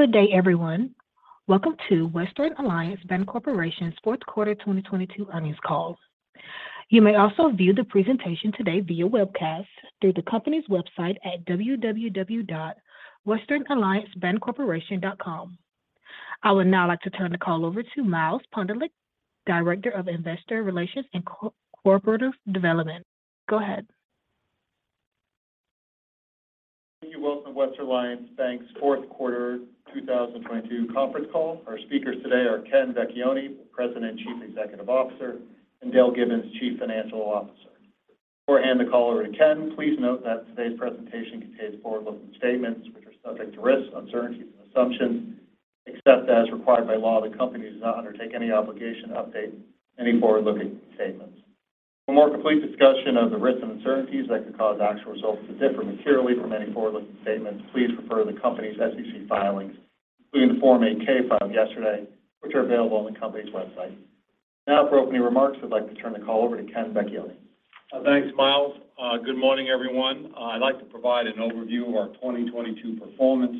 Good day, everyone. Welcome to Western Alliance Bancorporation's fourth quarter 2022 earnings call. You may also view the presentation today via webcast through the company's website at www.westernalliancebancorporation.com. I would now like to turn the call over to Miles Pondelik, Director of Investor Relations and Corporate Development. Go ahead. Thank you. Welcome to Western Alliance Bank's fourth quarter 2022 conference call. Our speakers today are Ken Vecchione, President and Chief Executive Officer, and Dale Gibbons, Chief Financial Officer. Before I hand the call over to Ken, please note that today's presentation contains forward-looking statements which are subject to risks, uncertainties and assumptions. Except as required by law, the Company does not undertake any obligation to update any forward-looking statements. For a more complete discussion of the risks and uncertainties that could cause actual results to differ materially from any forward-looking statements, please refer to the Company's SEC filings, including the Form 8-K filed yesterday, which are available on the company's website. For opening remarks, I'd like to turn the call over to Ken Vecchione. Thanks, Miles. Good morning, everyone. I'd like to provide an overview of our 2022 performance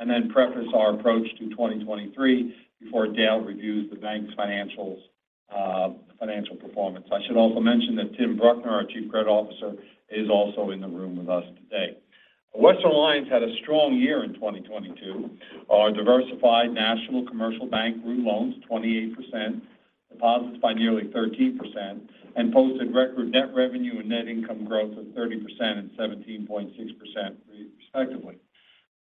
and then preface our approach to 2023 before Dale reviews the bank's financials, financial performance. I should also mention that Tim Bruckner, our Chief Credit Officer, is also in the room with us today. Western Alliance had a strong year in 2022. Our diversified national commercial bank grew loans 28%, deposits by nearly 13%, and posted record net revenue and net income growth of 30% and 17.6%, respectively.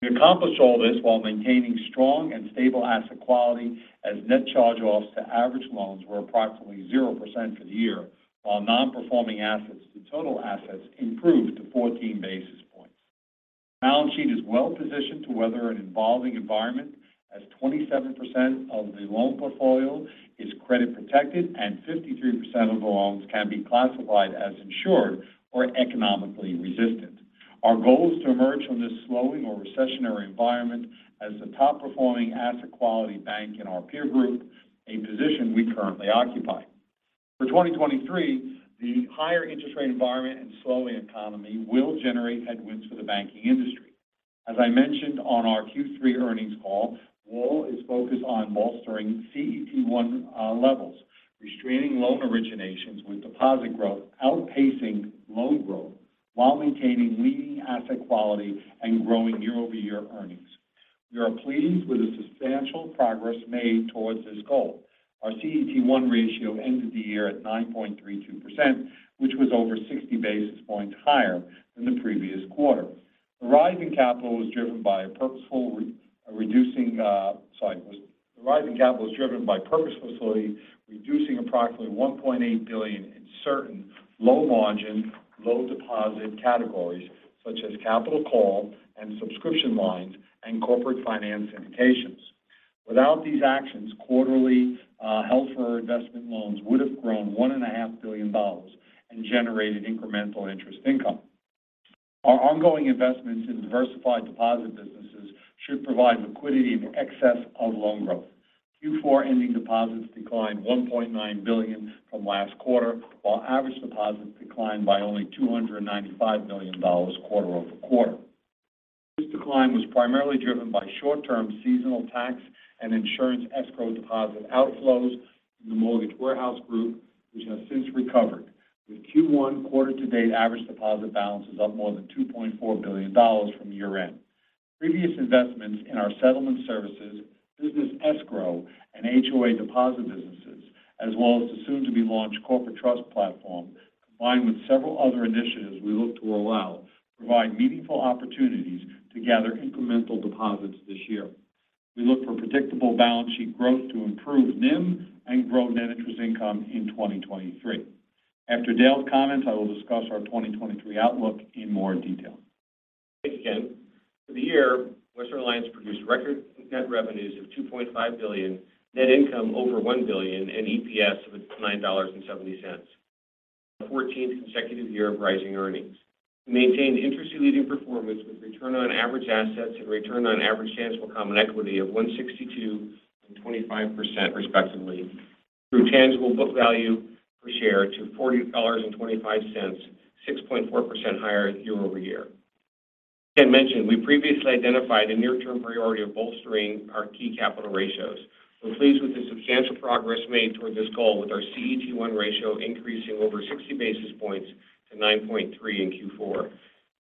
We accomplished all this while maintaining strong and stable asset quality as net charge-offs to average loans were approximately 0% for the year, while non-performing assets to total assets improved to 14 basis points. The balance sheet is well-positioned to weather an evolving environment as 27% of the loan portfolio is credit protected and 53% of the loans can be classified as insured or economically resistant. Our goal is to emerge from this slowing or recessionary environment as the top-performing asset quality bank in our peer group, a position we currently occupy. For 2023, the higher interest rate environment and slowing economy will generate headwinds for the banking industry. As I mentioned on our Q3 earnings call, WAL is focused on bolstering CET1 levels, restraining loan originations with deposit growth, outpacing loan growth while maintaining leading asset quality and growing year-over-year earnings. We are pleased with the substantial progress made towards this goal. Our CET1 ratio ended the year at 9.32%, which was over 60 basis points higher than the previous quarter. The rise in capital was driven by purposefully reducing approximately $1.8 billion in certain low margin, low deposit categories such as capital call and subscription lines and corporate finance syndications. Without these actions, quarterly held-for-investment loans would have grown $1.5 billion and generated incremental interest income. Our ongoing investments in diversified deposit businesses should provide liquidity in excess of loan growth. Q4 ending deposits declined $1.9 billion from last quarter, while average deposits declined by only $295 million quarter-over-quarter. This decline was primarily driven by short-term seasonal tax and insurance escrow deposit outflows in the mortgage warehouse group, which have since recovered. With Q1 quarter-to-date average deposit balance is up more than $2.4 billion from year-end. Previous investments in our Settlement Services, Business Escrow, and HOA deposit businesses, as well as the soon to be launched Corporate Trust platform, combined with several other initiatives we look to roll out, provide meaningful opportunities to gather incremental deposits this year. We look for predictable balance sheet growth to improve NIM and grow net interest income in 2023. After Dale's comments, I will discuss our 2023 outlook in more detail. Thanks again. For the year, Western Alliance produced record net revenues of $2.5 billion, net income over $1 billion, and EPS of $9.70. A 14th consecutive year of rising earnings. We maintained industry leading performance with return on average assets and return on average tangible common equity of 1.62% and 25% respectively, grew tangible book value per share to $40.25, 6.4% higher year-over-year. Ken mentioned we previously identified a near term priority of bolstering our key capital ratios. We're pleased with the substantial progress made toward this goal with our CET1 ratio increasing over 60 basis points to 9.3% in Q4.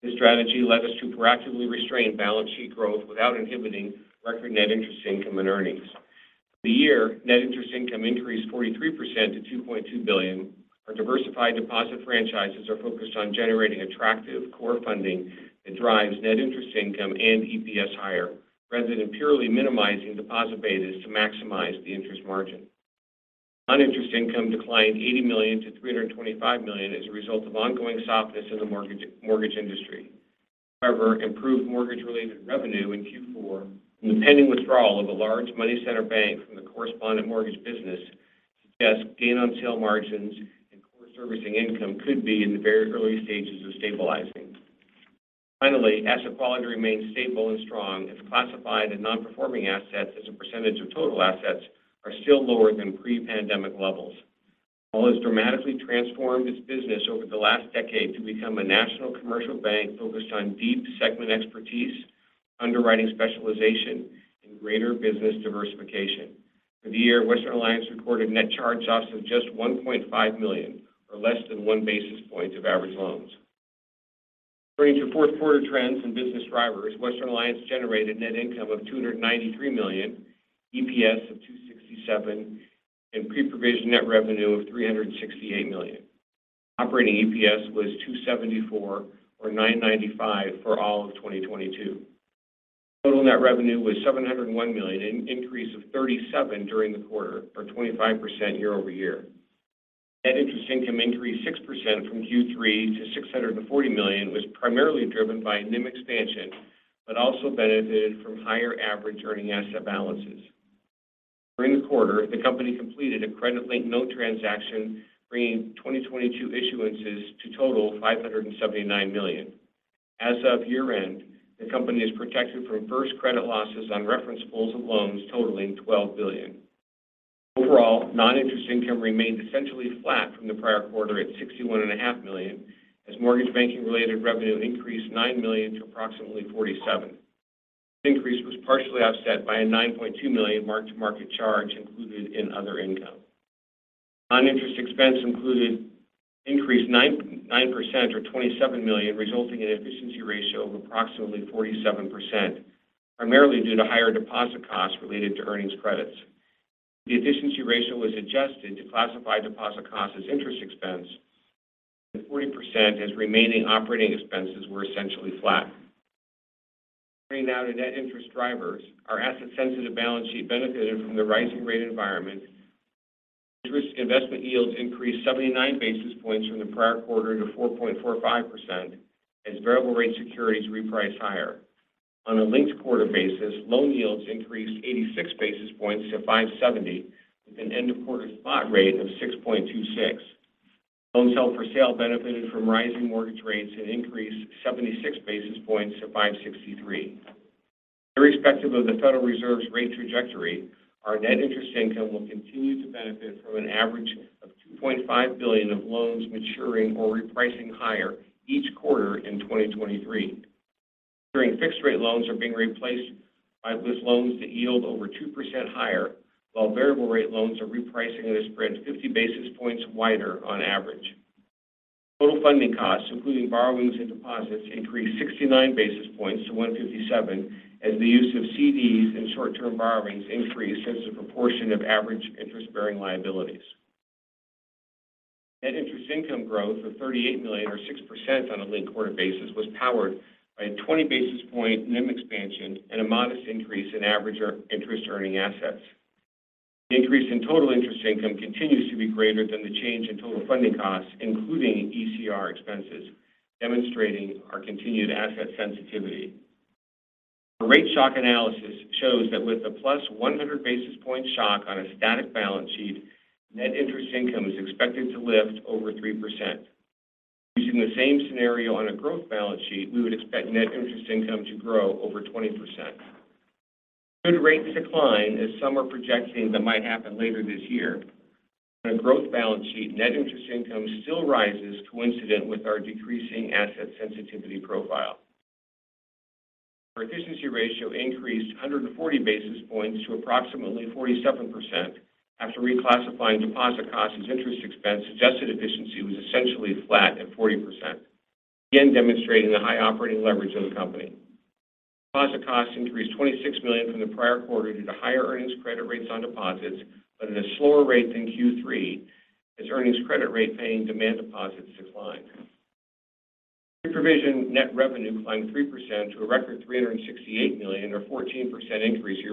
This strategy led us to proactively restrain balance sheet growth without inhibiting record net interest income and earnings. For the year, net interest income increased 43% to $2.2 billion. Our diversified deposit franchises are focused on generating attractive core funding that drives net interest income and EPS higher, rather than purely minimizing deposit betas to maximize the interest margin. Non-interest income declined $80 million-$325 million as a result of ongoing softness in the mortgage industry. However, improved mortgage-related revenue in Q4 from the pending withdrawal of a large money center bank from the correspondent mortgage business suggests gain on sale margins and core servicing income could be in the very early stages of stabilizing. Asset quality remains stable and strong as classified and non-performing assets as a percentage of total assets are still lower than pre-pandemic levels. WAL has dramatically transformed its business over the last decade to become a national commercial bank focused on deep segment expertise, underwriting specialization, and greater business diversification. For the year, Western Alliance recorded net charge-offs of just $1.5 million, or less than 1 basis point of average loans. Turning to fourth quarter trends and business drivers, Western Alliance generated net income of $293 million, EPS of $2.67, and pre-provision net revenue of $368 million. Operating EPS was $2.74 or $9.95 for all of 2022. Total net revenue was $701 million, an increase of $37 million during the quarter or 25% year-over-year. Net interest income increased 6% from Q3 to $640 million, was primarily driven by NIM expansion, but also benefited from higher average earning asset balances. During the quarter, the company completed a Credit-Linked Note transaction, bringing 2022 issuances to total $579 million. As of year-end, the company is protected from first credit losses on reference pools of loans totaling $12 billion. Overall, non-interest income remained essentially flat from the prior quarter at $61.5 Million as mortgage banking-related revenue increased $9 million to approximately $47 million. This increase was partially offset by a $9.2 million mark-to-market charge included in other income. Non-interest expense included increase 9% or $27 million, resulting in an efficiency ratio of approximately 47%, primarily due to higher deposit costs related to earnings credits. The efficiency ratio was adjusted to classify deposit costs as interest expense to 40% as remaining operating expenses were essentially flat. Turning now to net interest drivers, our asset-sensitive balance sheet benefited from the rising rate environment. Interest investment yields increased 79 basis points from the prior quarter to 4.45% as variable rate securities reprice higher. On a linked quarter basis, loan yields increased 86 basis points to 5.70% with an end of quarter spot rate of 6.26%. Loans held for sale benefited from rising mortgage rates and increased 76 basis points to 5.63%. Irrespective of the Federal Reserve's rate trajectory, our net interest income will continue to benefit from an average of $2.5 billion of loans maturing or repricing higher each quarter in 2023. During fixed-rate loans are being replaced with loans that yield over 2% higher, while variable rate loans are repricing the spread 50 basis points wider on average. Total funding costs, including borrowings and deposits, increased 69 basis points to 1.57% as the use of CDs and short-term borrowings increased as a proportion of average interest-bearing liabilities. Net interest income growth of $38 million or 6% on a linked quarter basis was powered by a 20 basis point NIM expansion and a modest increase in average interest earning assets. The increase in total interest income continues to be greater than the change in total funding costs, including ECR expenses, demonstrating our continued asset sensitivity. Our rate shock analysis shows that with a +100 basis point shock on a static balance sheet, net interest income is expected to lift over 3%. Using the same scenario on a growth balance sheet, we would expect net interest income to grow over 20%. Should rates decline, as some are projecting that might happen later this year, on a growth balance sheet, net interest income still rises coincident with our decreasing asset sensitivity profile. Our efficiency ratio increased 140 basis points to approximately 47%. After reclassifying deposit costs as interest expense, adjusted efficiency was essentially flat at 40%. Demonstrating the high operating leverage of the company. Deposit costs increased $26 million from the prior quarter due to higher earnings credit rates on deposits, but at a slower rate than Q3 as earnings credit rate-paying demand deposits declined. Pre-provision net revenue climbed 3% to a record $368 million or 14% increase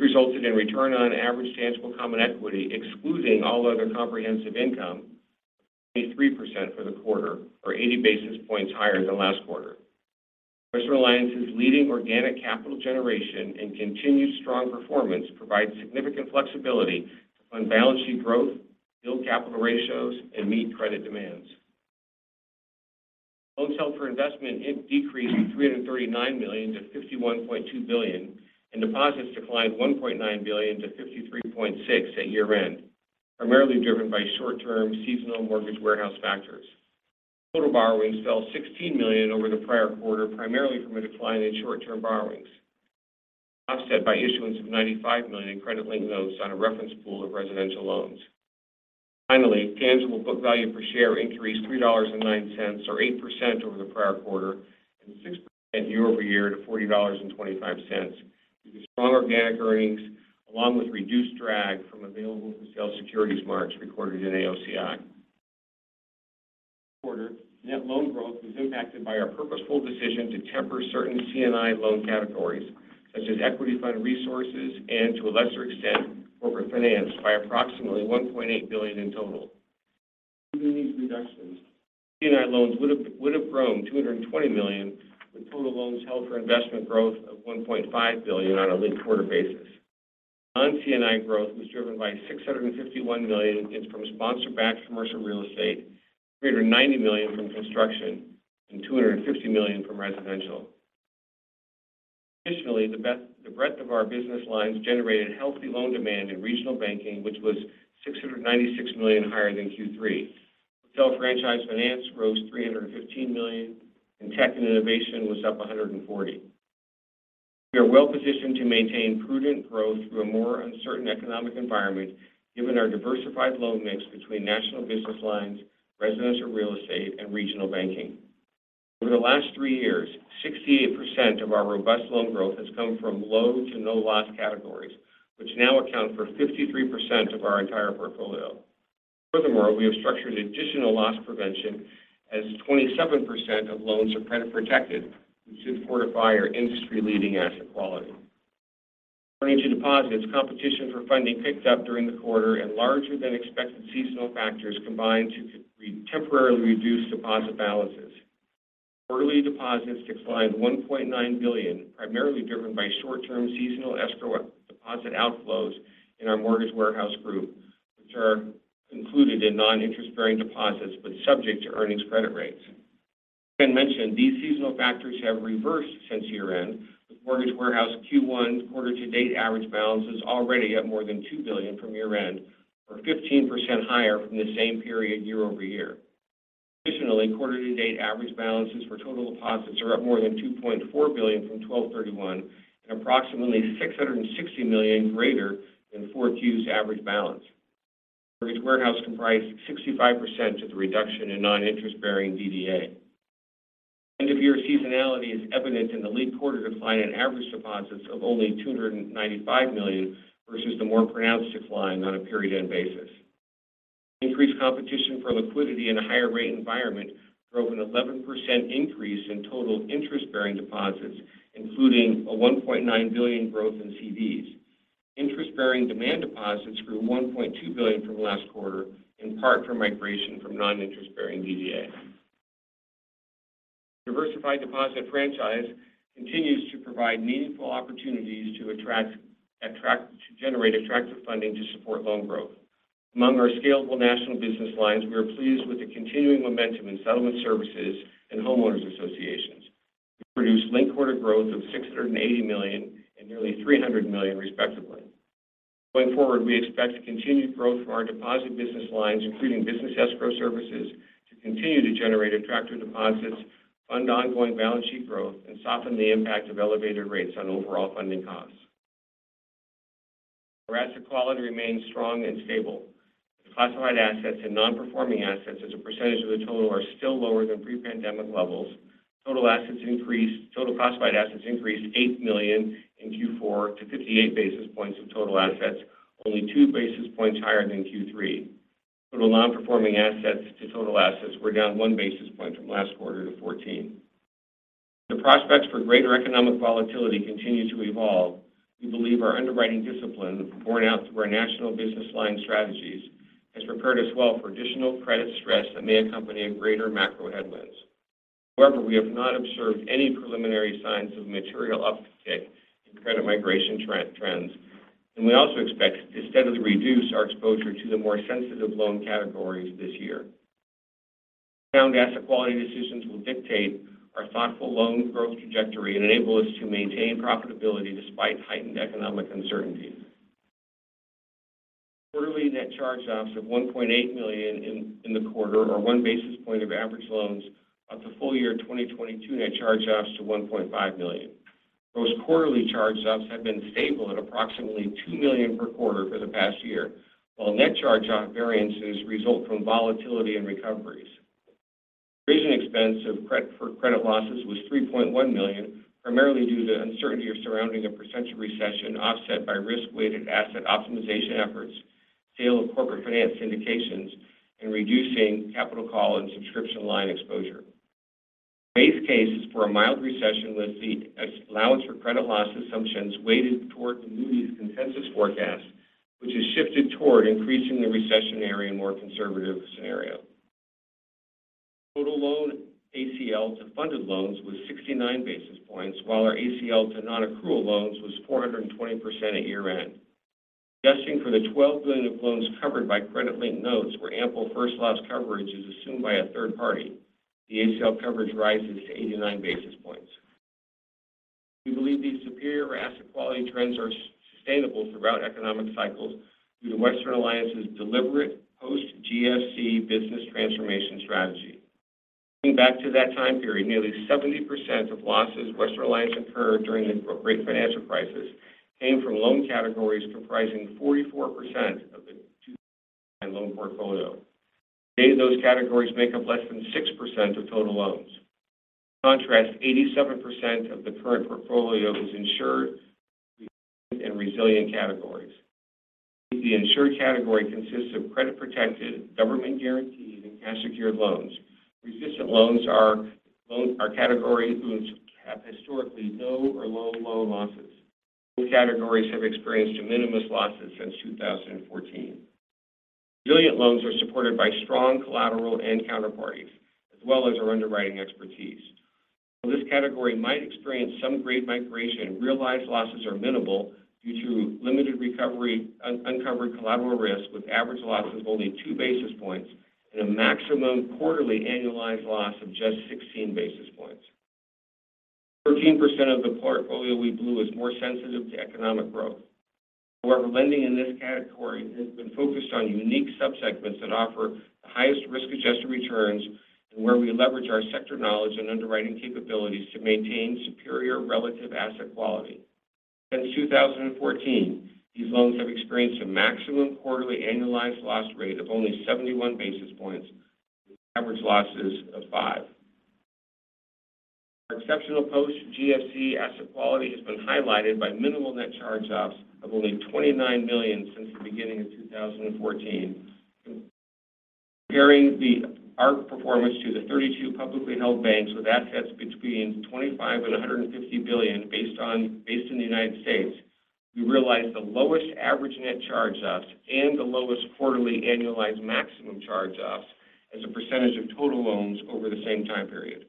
year-over-year. This resulted in return on average tangible common equity, excluding all other comprehensive income, of 23% for the quarter or 80 basis points higher than last quarter. Western Alliance's leading organic capital generation and continued strong performance provide significant flexibility on balance sheet growth, build capital ratios, and meet credit demands. Loans held for investment decreased $339 million to $51.2 billion, and deposits declined $1.9 billion-$53.6 billion at year-end, primarily driven by short-term seasonal mortgage warehouse factors. Total borrowings fell $16 million over the prior quarter, primarily from a decline in short-term borrowings, offset by issuance of $95 million in Credit-Linked Notes on a reference pool of residential loans. Tangible book value per share increased $3.09, or 8% over the prior quarter and 6% year-over-year to $40.25 due to strong organic earnings, along with reduced drag from available for sale securities marks recorded in AOCI. This quarter, net loan growth was impacted by our purposeful decision to temper certain C&I loan categories such as Equity Fund Resources and to a lesser extent, Corporate Finance by approximately $1.8 billion in total. Even these reductions, C&I loans would have grown $220 million with total loans held for investment growth of $1.5 billion on a linked quarter basis. Non-C&I growth was driven by $651 million from sponsor-backed commercial real estate, $390 million from construction, and $250 million from residential. Additionally, the breadth of our business lines generated healthy loan demand in regional banking, which was $696 million higher than Q3. Franchise Finance rose $315 million, and Tech and Innovation was up $140 million. We are well-positioned to maintain prudent growth through a more uncertain economic environment, given our diversified loan mix between national business lines, residential real estate and regional banking. Over the last three years, 68% of our robust loan growth has come from low to no loss categories, which now account for 53% of our entire portfolio. Furthermore, we have structured additional loss prevention as 27% of loans are credit protected, which should fortify our industry-leading asset quality. Turning to deposits, competition for funding picked up during the quarter and larger than expected seasonal factors combined to temporarily reduce deposit balances. Quarterly deposits declined $1.9 billion, primarily driven by short-term seasonal escrow deposit outflows in our mortgage warehouse group, which are included in non-interest bearing deposits but subject to earnings credit rates. As Ken mentioned, these seasonal factors have reversed since year-end, with mortgage warehouse Q1 quarter to date average balances already at more than $2 billion from year-end, or 15% higher from the same period year-over-year. Additionally, quarter to date average balances for total deposits are up more than $2.4 billion from 12/31 and approximately $660 million greater than 4Q's average balance. Mortgage warehouse comprised 65% of the reduction in non-interest bearing DDA. End of year seasonality is evident in the lead quarter decline in average deposits of only $295 million versus the more pronounced decline on a period end basis. Increased competition for liquidity in a higher rate environment drove an 11% increase in total interest-bearing deposits, including a $1.9 billion growth in CDs. Interest-bearing demand deposits grew $1.2 billion from last quarter, in part from migration from non-interest bearing DDA. Diversified deposit franchise continues to provide meaningful opportunities to attract, to generate attractive funding to support loan growth. Among our scalable national business lines, we are pleased with the continuing momentum in Settlement Services and homeowners associations. We produced linked quarter growth of $680 million and nearly $300 million respectively. We expect continued growth from our deposit business lines, including Business Escrow Services to continue to generate attractive deposits, fund ongoing balance sheet growth and soften the impact of elevated rates on overall funding costs. Our asset quality remains strong and stable. The classified assets and non-performing assets as a percentage of the total are still lower than pre-pandemic levels. Total classified assets increased $8 million in Q4 to 58 basis points of total assets, only 2 basis points higher than Q3. Total non-performing assets to total assets were down 1 basis point from last quarter to 14 basis points. The prospects for greater economic volatility continue to evolve. We believe our underwriting discipline borne out through our national business line strategies has prepared us well for additional credit stress that may accompany greater macro headwinds. However, we have not observed any preliminary signs of material uptick in credit migration trends, and we also expect to steadily reduce our exposure to the more sensitive loan categories this year. Sound asset quality decisions will dictate our thoughtful loan growth trajectory and enable us to maintain profitability despite heightened economic uncertainties. Quarterly net charge-offs of $1.8 million in the quarter or 1 basis point of average loans brought the full year 2022 net charge-offs to $1.5 million. Gross quarterly charge-offs have been stable at approximately $2 million per quarter for the past year, while net charge-off variances result from volatility and recoveries. Provision expense for credit losses was $3.1 million, primarily due to uncertainty surrounding a potential recession offset by risk-weighted asset optimization efforts, sale of corporate finance syndications and reducing capital call and subscription line exposure. Base cases for a mild recession with the allowance for credit loss assumptions weighted toward the Moody's consensus forecast, which has shifted toward increasing the recessionary and more conservative scenario. Total loan ACL to funded loans was 69 basis points, while our ACL to non-accrual loans was 420% at year-end. Adjusting for the $12 billion of loans covered by credit-linked notes where ample first loss coverage is assumed by a third party, the ACL coverage rises to 89 basis points. We believe these superior asset quality trends are sustainable throughout economic cycles due to Western Alliance's deliberate post GFC business transformation strategy. Looking back to that time period, nearly 70% of losses Western Alliance incurred during the great financial crisis came from loan categories comprising 44% of the two loan portfolio. Today, those categories make up less than 6% of total loans. In contrast, 87% of the current portfolio is insured and resilient categories. The insured category consists of credit protected, government guaranteed and cash secured loans. Resilient loans are categories whose have historically no or low loan losses. Both categories have experienced de minimis losses since 2014. Resilient loans are supported by strong collateral and counterparties, as well as our underwriting expertise. While this category might experience some grade migration, realized losses are minimal due to limited uncovered collateral risk with average losses of only 2 basis points and a maximum quarterly annualized loss of just 16 basis points. 13% of the portfolio we view is more sensitive to economic growth. Lending in this category has been focused on unique subsegments that offer the highest risk-adjusted returns and where we leverage our sector knowledge and underwriting capabilities to maintain superior relative asset quality. Since 2014, these loans have experienced a maximum quarterly annualized loss rate of only 71 basis points with average losses of five. Our exceptional post GFC asset quality has been highlighted by minimal net charge-offs of only $29 million since the beginning of 2014. Comparing our performance to the 32 publicly held banks with assets between $25 billion and $150 billion based in the United States, we realized the lowest average net charge-offs and the lowest quarterly annualized maximum charge-offs as a percentage of total loans over the same time period.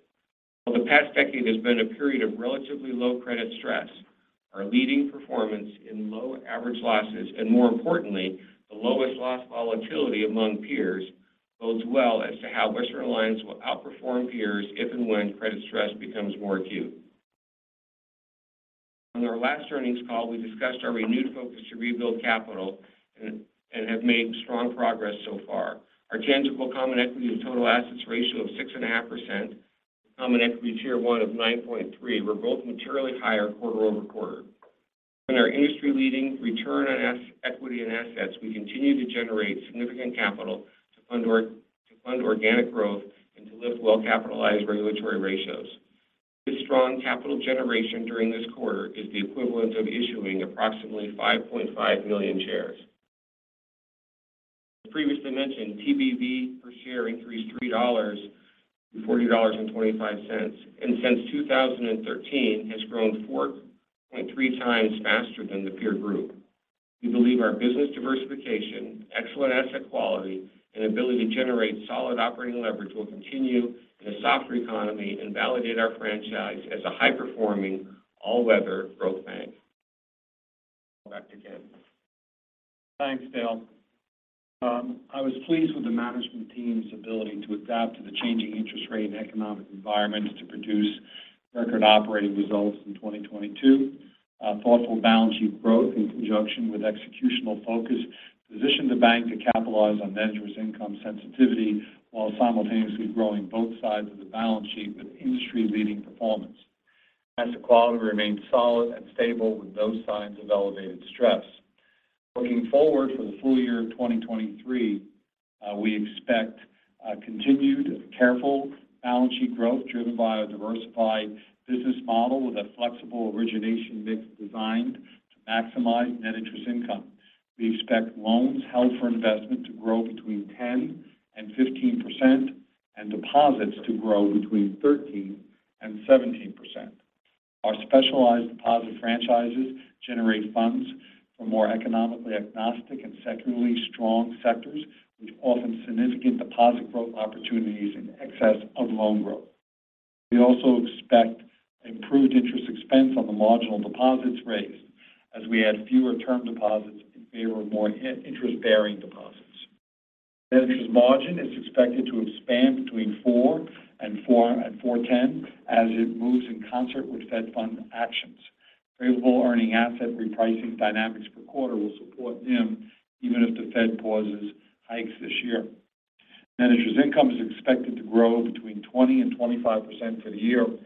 While the past decade has been a period of relatively low credit stress, our leading performance in low average losses and more importantly, the lowest loss volatility among peers bodes well as to how Western Alliance will outperform peers if and when credit stress becomes more acute. On our last earnings call, we discussed our renewed focus to rebuild capital and have made strong progress so far. Our tangible common equity and total assets ratio of 6.5%, CET1 of 9.3% were both materially higher quarter-over-quarter. Given our industry-leading return on equity and assets, we continue to generate significant capital to fund organic growth and to lift well-capitalized regulatory ratios. This strong capital generation during this quarter is the equivalent of issuing approximately 5.5 million shares. As previously mentioned, TBV per share increased $3-$40.25, and since 2013 has grown 4.3x faster than the peer group. We believe our business diversification, excellent asset quality and ability to generate solid operating leverage will continue in a softer economy and validate our franchise as a high-performing all-weather growth bank. Back to Ken. Thanks, Dale. I was pleased with the management team's ability to adapt to the changing interest rate and economic environment to produce record operating results in 2022. Thoughtful balance sheet growth in conjunction with executional focus positioned the bank to capitalize on net interest income sensitivity while simultaneously growing both sides of the balance sheet with industry-leading performance. Asset quality remained solid and stable with no signs of elevated stress. Looking forward for the full year of 2023, we expect a continued careful balance sheet growth driven by a diversified business model with a flexible origination mix designed to maximize net interest income. We expect loans held for investment to grow between 10%-15% and deposits to grow between 13%-17%. Our specialized deposit franchises generate funds for more economically agnostic and secularly strong sectors with often significant deposit growth opportunities in excess of loan growth. We also expect improved interest expense on the marginal deposits raised as we add fewer term deposits in favor of more in-interest bearing deposits. Net interest margin is expected to expand between 4% and 4.4% as it moves in concert with Fed Funds actions. Variable earning asset repricing dynamics per quarter will support NIM even if the Fed pauses hikes this year. Net interest income is expected to grow between 20% and 25% for the year in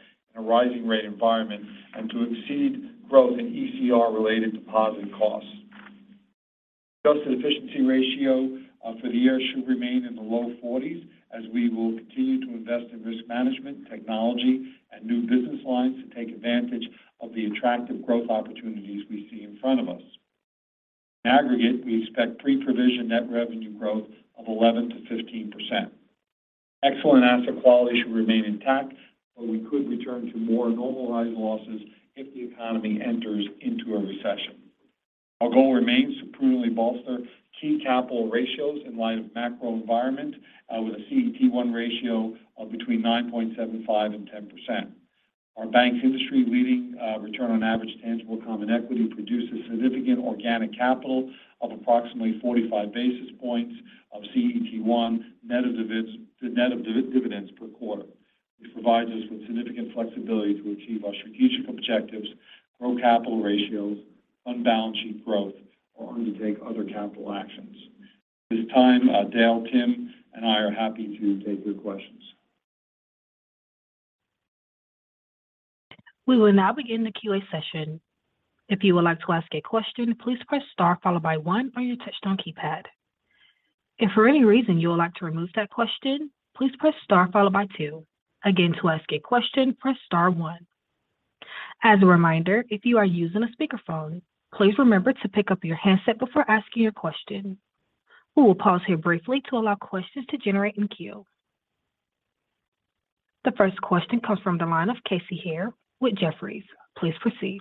a rising rate environment and to exceed growth in ECR-related deposit costs. Adjusted efficiency ratio for the year should remain in the low 40s as we will continue to invest in risk management, technology and new business lines to take advantage of the attractive growth opportunities we see in front of us. In aggregate, we expect pre-provision net revenue growth of 11%-15%. Excellent asset quality should remain intact. We could return to more normalized losses if the economy enters into a recession. Our goal remains to prudently bolster key capital ratios in light of macro environment with a CET1 ratio of between 9.75% and 10%. Our bank's industry-leading return on average tangible common equity produces significant organic capital of approximately 45 basis points of CET1 net of dividends per quarter. This provides us with significant flexibility to achieve our strategic objectives, grow capital ratios, fund balance sheet growth, or undertake other capital actions. At this time, Dale, Tim, and I are happy to take your questions. We will now begin the QA session. If you would like to ask a question, please press star followed by one on your touch-tone keypad. If for any reason you would like to remove that question, please press star followed by two. To ask a question, press star one. As a reminder, if you are using a speakerphone, please remember to pick up your handset before asking your question. We will pause here briefly to allow questions to generate in queue. The first question comes from the line of Casey Haire with Jefferies. Please proceed.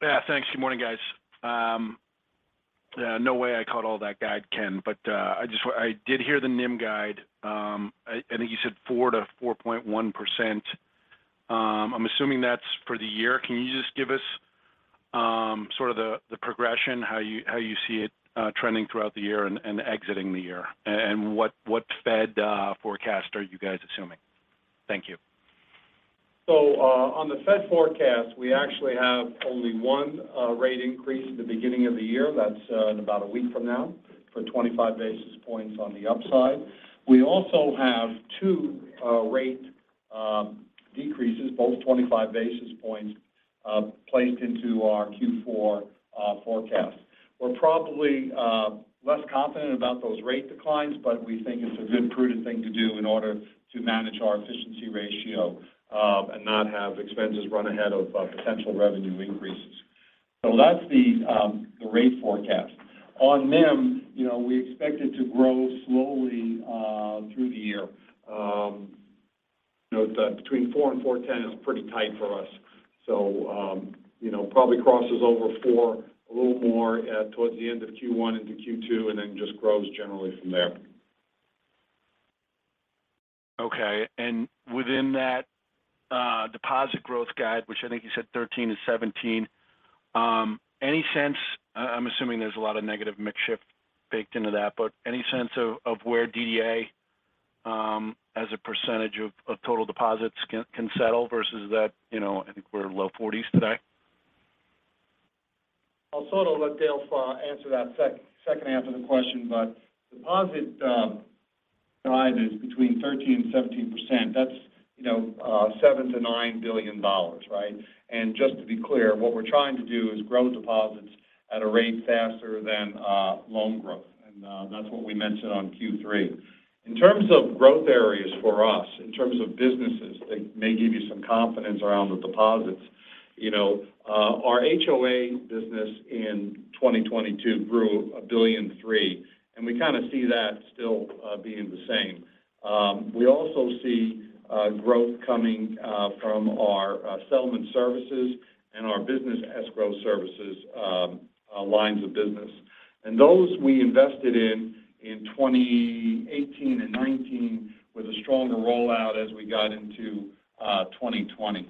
Yeah. Thanks. Good morning, guys. Yeah, no way I caught all that guide, Ken, but I did hear the NIM guide. I think you said 4%-4.1%. I'm assuming that's for the year. Can you just give us, sort of the progression, how you see it, trending throughout the year and exiting the year. What Fed forecast are you guys assuming? Thank you. On the Fed forecast, we actually have only one rate increase at the beginning of the year. That's in about a week from now for 25 basis points on the upside. We also have 2 rate decreases, both 25 basis points, placed into our Q4 forecast. We're probably less confident about those rate declines but we think it's a good prudent thing to do in order to manage our efficiency ratio, and not have expenses run ahead of potential revenue increases. That's the rate forecast. On M&A, you know, we expect it to grow slowly through the year. You know, it's between 4 and 4.10 is pretty tight for us. You know, probably crosses over four a little more towards the end of Q1 into Q2, and then just grows generally from there. Okay. Within that deposit growth guide, which I think you said 13-17, I'm assuming there's a lot of negative mix shift baked into that, but any sense of where DDA as a percentage of total deposits can settle versus that, you know, I think we're low 40s today? I'll sort of let Dale answer that second half of the question. Deposit guide is between 13% and 17%. That's, you know, $7 billion-$9 billion, right? Just to be clear, what we're trying to do is grow deposits at a rate faster than loan growth. That's what we mentioned on Q3. In terms of growth areas for us, in terms of businesses that may give you some confidence around the deposits, you know, our HOA business in 2022 grew $1.3 billion. We kind of see that still being the same. We also see growth coming from our Settlement Services and our Business Escrow Services lines of business. Those we invested in 2018 and 2019 with a stronger rollout as we got into 2020.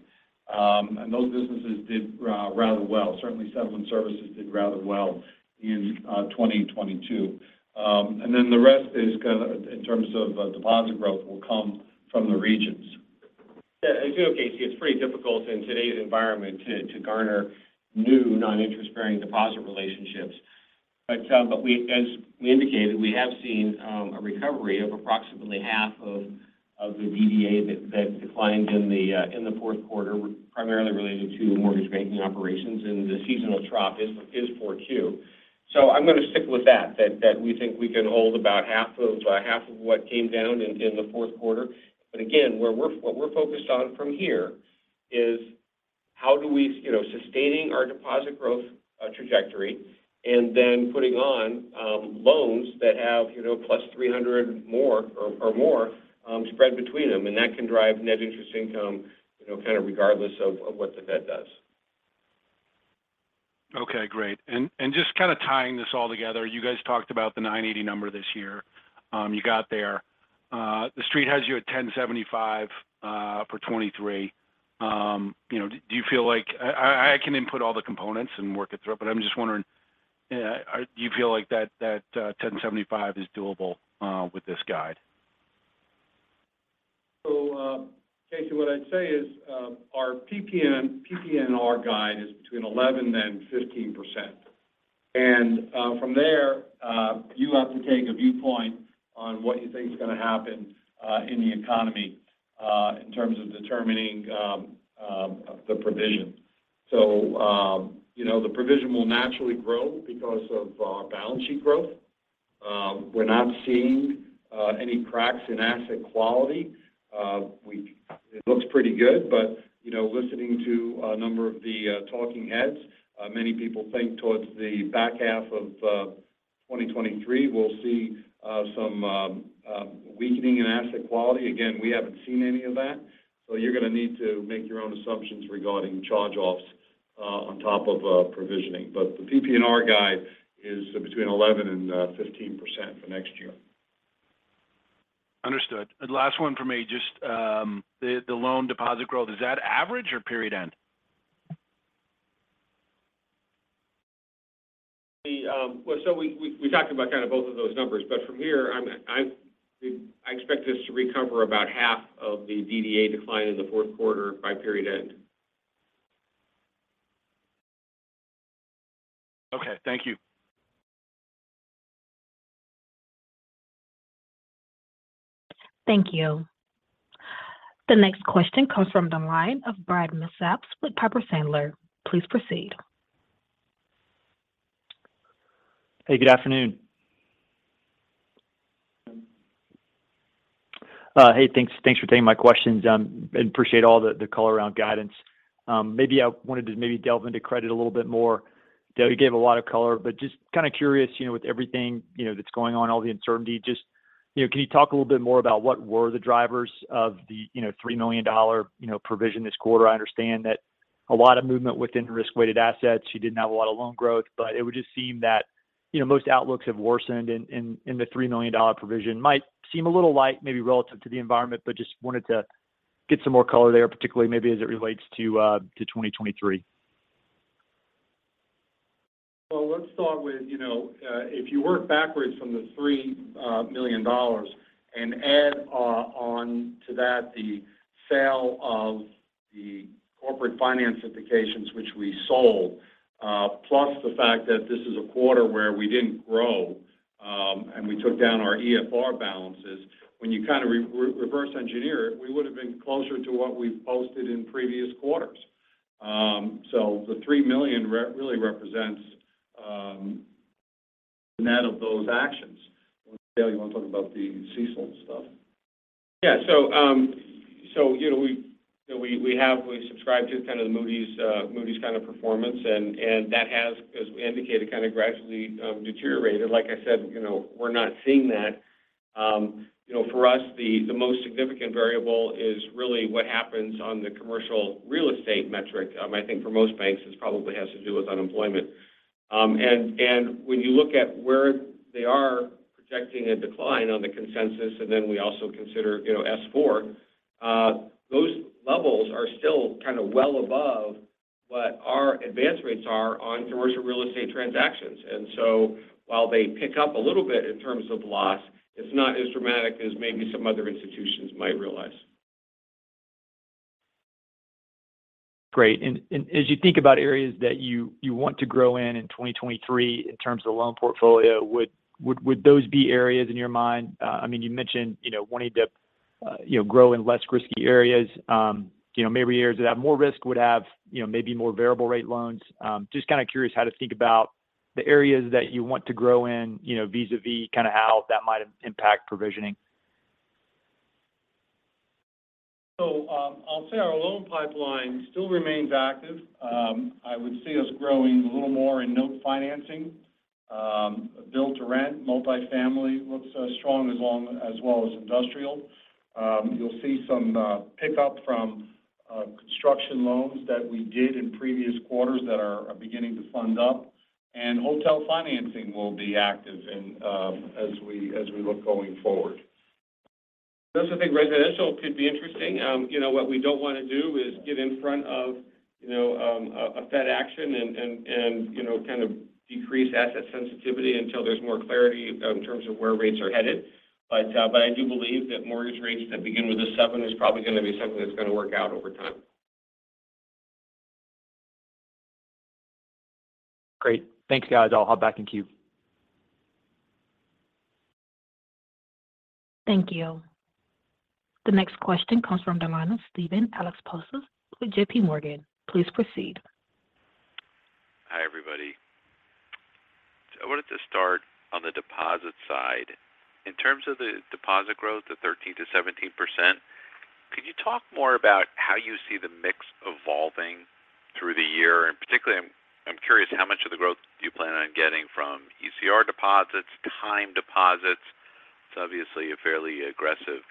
Those businesses did rather well. Certainly, Settlement Services did rather well in 2022. The rest is in terms of deposit growth will come from the regions. Yeah. You know, Casey, it's pretty difficult in today's environment to garner new non-interest-bearing deposit relationships. As we indicated, we have seen a recovery of approximately half of the DDA that declined in the fourth quarter were primarily related to mortgage banking operations, the seasonal trough is for Q. I'm gonna stick with that we think we can hold about half of what came down in the fourth quarter. Again, what we're focused on from here is sustaining our deposit growth trajectory and then putting on loans that have, you know, +300 more or more spread between them. That can drive net interest income, you know, kind of regardless of what the Fed does. Okay. Great. Just kind of tying this all together, you guys talked about the 980 number this year. You got there. The Street has you at 1,075 for 2023. You know, do you feel like I can input all the components and work it through, but I'm just wondering, do you feel like that 1,075 is doable with this guide? Casey, what I'd say is, our PPNR guide is between 11% and 15%. From there, you have to take a viewpoint on what you think is gonna happen in the economy in terms of determining the provision. You know, the provision will naturally grow because of balance sheet growth. We're not seeing any cracks in asset quality. It looks pretty good, but, you know, listening to a number of the talking heads, many people think towards the back half of 2023, we'll see some weakening in asset quality. Again, we haven't seen any of that, so you're gonna need to make your own assumptions regarding charge-offs on top of provisioning. The PPNR guide is between 11% and 15% for next year. Understood. Last one for me, just, the loan deposit growth. Is that average or period end? The we talked about kind of both of those numbers. From here, I expect us to recover about half of the DDA decline in the fourth quarter by period end. Okay. Thank you. Thank you. The next question comes from the line of Brad Milsaps with Piper Sandler. Please proceed. Hey, good afternoon. Hey, thanks for taking my questions. Appreciate all the color around guidance. Maybe I wanted to maybe delve into credit a little bit more. Dale, you gave a lot of color. Just kind of curious, you know, with everything, you know, that's going on, all the uncertainty, just, you know, can you talk a little bit more about what were the drivers of the, you know, $3 million, you know, provision this quarter? I understand that a lot of movement within risk-weighted assets. You didn't have a lot of loan growth. It would just seem that, you know, most outlooks have worsened and the $3 million provision might seem a little light maybe relative to the environment. Just wanted to get some more color there, particularly maybe as it relates to 2023. Let's start with, you know, if you work backwards from the $3 million and add on to that the sale of the corporate finance securitizations which we sold, plus the fact that this is a quarter where we didn't grow, and we took down our EFR balances. When you kind of reverse engineer it, we would have been closer to what we've posted in previous quarters. The $3 million really represents the net of those actions. Dale, you want to talk about the CECL stuff? Yeah. You know, we, you know, we've subscribed to kind of the Moody's kind of performance. That has, as we indicated, kind of gradually deteriorated. Like I said, you know, we're not seeing that. You know, for us the most significant variable is really what happens on the commercial real estate metric. I think for most banks, this probably has to do with unemployment. And when you look at where they are projecting a decline on the consensus, and then we also consider, you know, S4, those levels are still kind of well above what our advance rates are on commercial real estate transactions. While they pick up a little bit in terms of loss, it's not as dramatic as maybe some other institutions might realize. Great. As you think about areas that you want to grow in 2023 in terms of the loan portfolio, would those be areas in your mind? I mean, you mentioned, you know, wanting to, you know, grow in less risky areas. You know, maybe areas that have more risk would have, you know, maybe more variable rate loans. Just kind of curious how to think about the areas that you want to grow in, you know, vis-a-vis kind of how that might impact provisioning. I'll say our loan pipeline still remains active. I would see us growing a little more in Note Finance. Build to Rent, multifamily looks strong as well as industrial. You'll see some pickup from construction loans that we did in previous quarters that are beginning to fund up. Hotel financing will be active as we look going forward. I also think residential could be interesting. You know, what we don't want to do is get in front of a Fed action and, you know, kind of decrease asset sensitivity until there's more clarity in terms of where rates are headed. I do believe that mortgage rates that begin with a seven is probably going to be something that's going to work out over time. Great. Thanks, guys. I'll hop back in queue. Thank you. The next question comes from Steven Alexopoulos with JPMorgan. Please proceed. Hi, everybody. I wanted to start on the deposit side. In terms of the deposit growth at 13%-17%, could you talk more about how you see the mix evolving through the year? Particularly, I'm curious how much of the growth do you plan on getting from ECR deposits, time deposits? It's obviously a fairly aggressive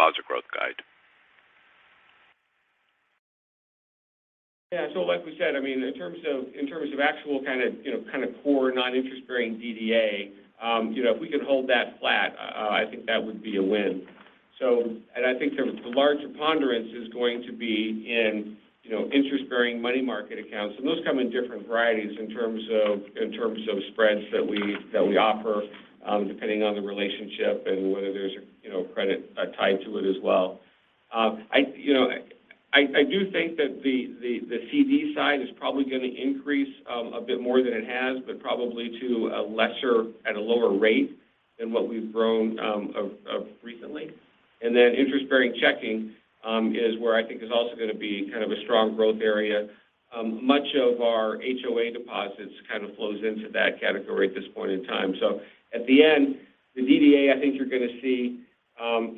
deposit growth guide. Yeah. Like we said, I mean, in terms of actual kind of, you know, kind of core non-interest bearing DDA, you know, if we could hold that flat, I think that would be a win. I think the larger ponderance is going to be in, you know, interest-bearing money market accounts. Those come in different varieties in terms of spreads that we offer, depending on the relationship and whether there's a, you know, credit tied to it as well. I, you know, I do think that the CD side is probably going to increase a bit more than it has, but probably to a lesser at a lower rate than what we've grown recently. Interest-bearing checking is where I think is also going to be kind of a strong growth area. Much of our HOA deposits kind of flows into that category at this point in time. At the end, the DDA, I think you're going to see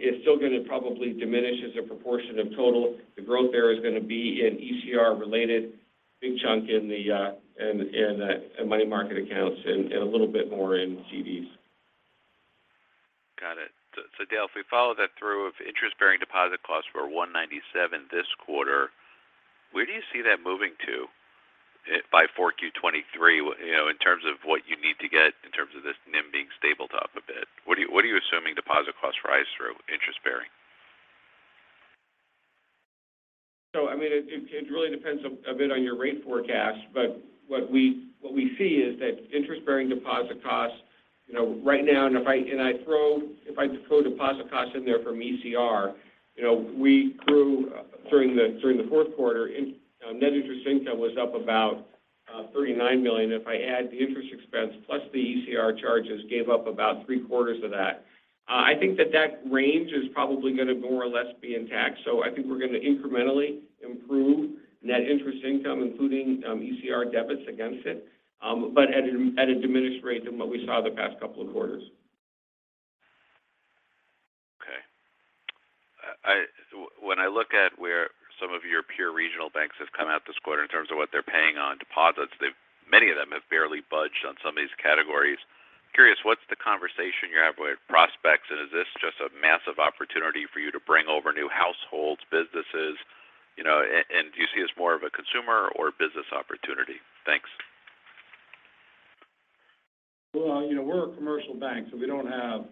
is still going to probably diminish as a proportion of total. The growth there is going to be in ECR related big chunk in the money market accounts and a little bit more in CDs. Got it. Dale, if we follow that through, if interest-bearing deposit costs were 1.97 this quarter, where do you see that moving to by 4Q 2023? You know, in terms of what you need to get in terms of this NIM being stable top a bit. What are you assuming deposit costs rise through interest bearing? I mean, it really depends a bit on your rate forecast. What we see is that interest bearing deposit costs, you know, right now and if I throw deposit costs in there from ECR. You know, we grew during the fourth quarter in net interest income was up about $39 million. If I add the interest expense plus the ECR charges gave up about three-quarters of that. I think that range is probably going to more or less be intact. I think we're going to incrementally improve net interest income, including ECR debits against it. At a diminished rate than what we saw the past couple of quarters. Okay. When I look at where some of your peer regional banks have come out this quarter in terms of what they're paying on deposits, many of them have barely budged on some of these categories. Curious, what's the conversation you're having with prospects? Is this just a massive opportunity for you to bring over new households, businesses? You know, do you see as more of a consumer or business opportunity? Thanks. Well, you know, we're a commercial bank, so we don't have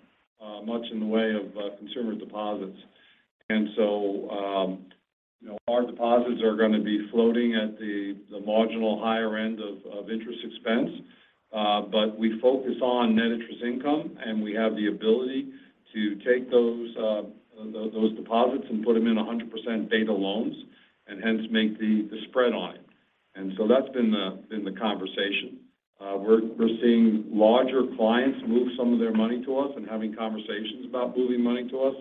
much in the way of consumer deposits. You know, our deposits are gonna be floating at the marginal higher end of interest expense. But we focus on net interest income, and we have the ability to take those deposits and put them in 100% beta loans and hence make the spread on it. That's been the conversation. We're seeing larger clients move some of their money to us and having conversations about moving money to us.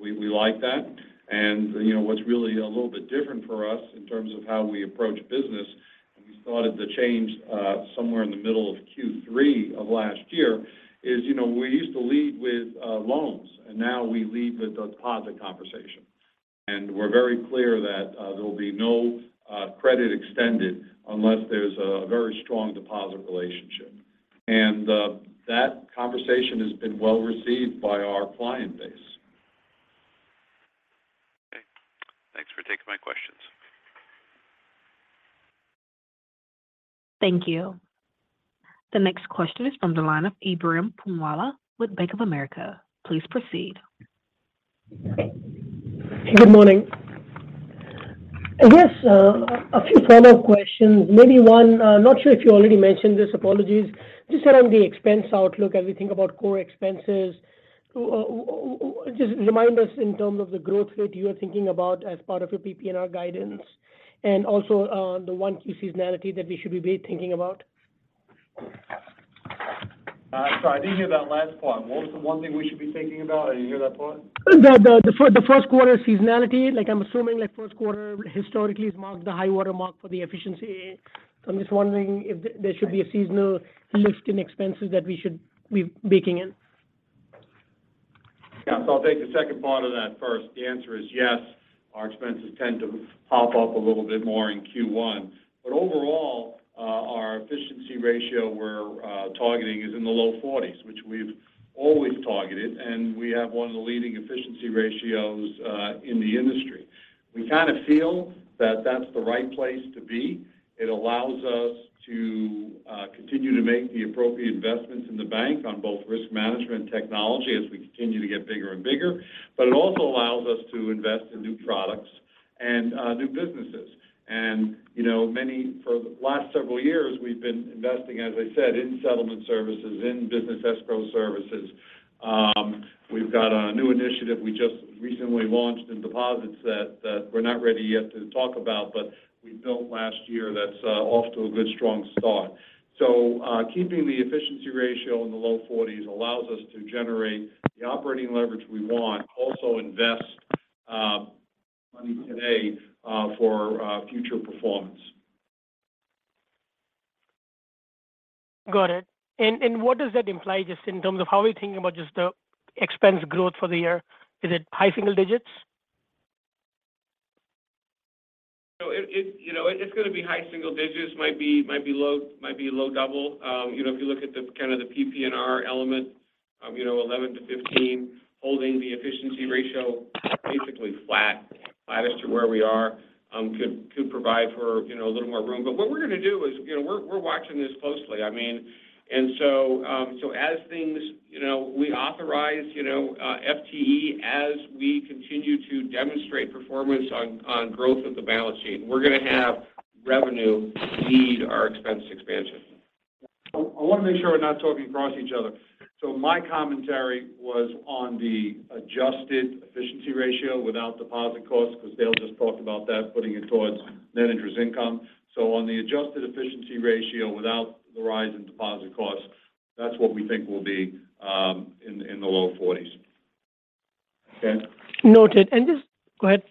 We like that. You know, what's really a little bit different for us in terms of how we approach business, we started the change, somewhere in the middle of Q3 of last year is, you know, we used to lead with loans, now we lead with a deposit conversation. We're very clear that there will be no credit extended unless there's a very strong deposit relationship. That conversation has been well-received by our client base. Okay. Thanks for taking my questions. Thank you. The next question is from the line of Ebrahim Poonawala with Bank of America. Please proceed. Good morning. I guess, a few follow-up questions. Maybe one, not sure if you already mentioned this. Apologies. Just around the expense outlook as we think about core expenses. Just remind us in terms of the growth rate you are thinking about as part of your PPNR guidance and also, the one key seasonality that we should be really thinking about? Sorry, I didn't hear that last part. What was the one thing we should be thinking about? Did you hear that part? The first quarter seasonality. Like, I'm assuming like first quarter historically has marked the high water mark for the efficiency. I'm just wondering if there should be a seasonal lift in expenses that we should be baking in. Yeah. I'll take the second part of that first. The answer is yes. Our expenses tend to pop up a little bit more in Q1. Overall, our efficiency ratio we're targeting is in the low forties, which we've always targeted, and we have one of the leading efficiency ratios in the industry. We kind of feel that that's the right place to be. It allows us to continue to make the appropriate investments in the bank on both risk management and technology as we continue to get bigger and bigger. It also allows us to invest in new products and new businesses. You know, for the last several years, we've been investing, as I said, in Settlement Services, in Business Escrow Services. We've got a new initiative we just recently launched in deposits that we're not ready yet to talk about, but we built last year that's off to a good strong start. Keeping the efficiency ratio in the low 40s allows us to generate the operating leverage we want, also invest money today for future performance. Got it. What does that imply just in terms of how we're thinking about just the expense growth for the year? Is it high single digits? It, you know, it's gonna be high single digits. Might be, might be low, might be low double. You know, if you look at the kind of the PPNR element, you know, 11%-15%, holding the efficiency ratio basically flat as to where we are, could provide for, you know, a little more room. What we're gonna do is, you know, we're watching this closely. I mean. As things, you know, we authorize, you know, FTE as we continue to demonstrate performance on growth of the balance sheet. We're gonna have revenue lead our expense expansion. I wanna make sure we're not talking across each other. My commentary was on the adjusted efficiency ratio without deposit costs 'cause Dale just talked about that, putting it towards net interest income. On the adjusted efficiency ratio without the rise in deposit costs, that's what we think will be in the low 40s. Dan? Noted. Go ahead.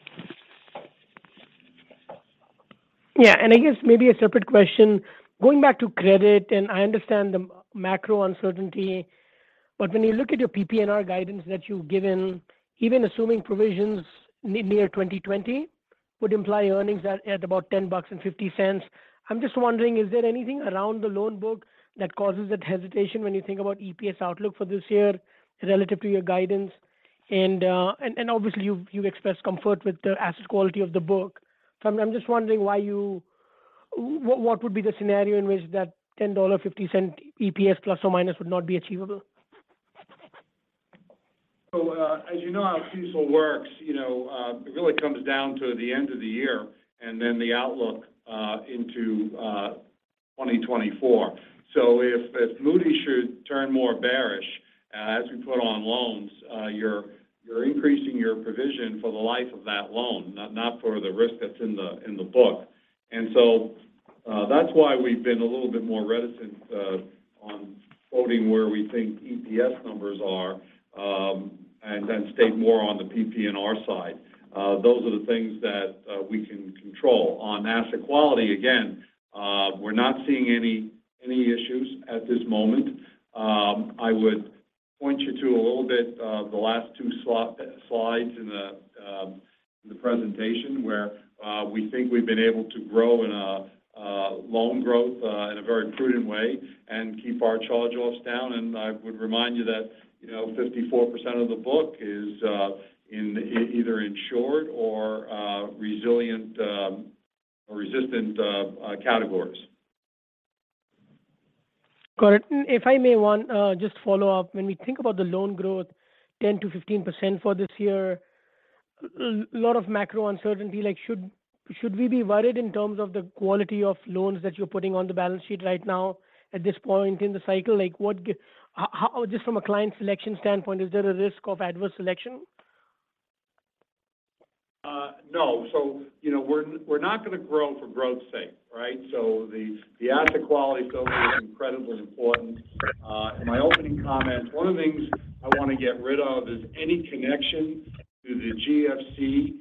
Yeah. I guess maybe a separate question. Going back to credit, and I understand the macro uncertainty, but when you look at your PPNR guidance that you've given, even assuming provisions near 2020 would imply earnings at about $10.50. I'm just wondering, is there anything around the loan book that causes that hesitation when you think about EPS outlook for this year relative to your guidance? Obviously you've expressed comfort with the asset quality of the book. I'm just wondering why you what would be the scenario in which that $10.50 EPS ± would not be achievable? As you know how CECL works, you know, it really comes down to the end of the year and then the outlook into 2024. If Moody's should turn more bearish as we put on loans, you're increasing your provision for the life of that loan, not for the risk that's in the book. That's why we've been a little bit more reticent on quoting where we think EPS numbers are, and then stayed more on the PPNR side. Those are the things that we can control. On asset quality, again, we're not seeing any issues at this moment. I would point you to a little bit, the last two slo-slides in the presentation where we think we've been able to grow in a loan growth in a very prudent way and keep our charge-offs down. I would remind you that, you know, 54% of the book is either insured or resilient. Resistant, categories. Correct. If I may want, just follow up. When we think about the loan growth 10%-15% for this year, lot of macro uncertainty like should we be worried in terms of the quality of loans that you're putting on the balance sheet right now at this point in the cycle? Like, just from a client selection standpoint, is there a risk of adverse selection? No. You know, we're not going to grow for growth's sake, right? The asset quality to us is incredibly important. In my opening comments, one of the things I want to get rid of is any connection to the GFC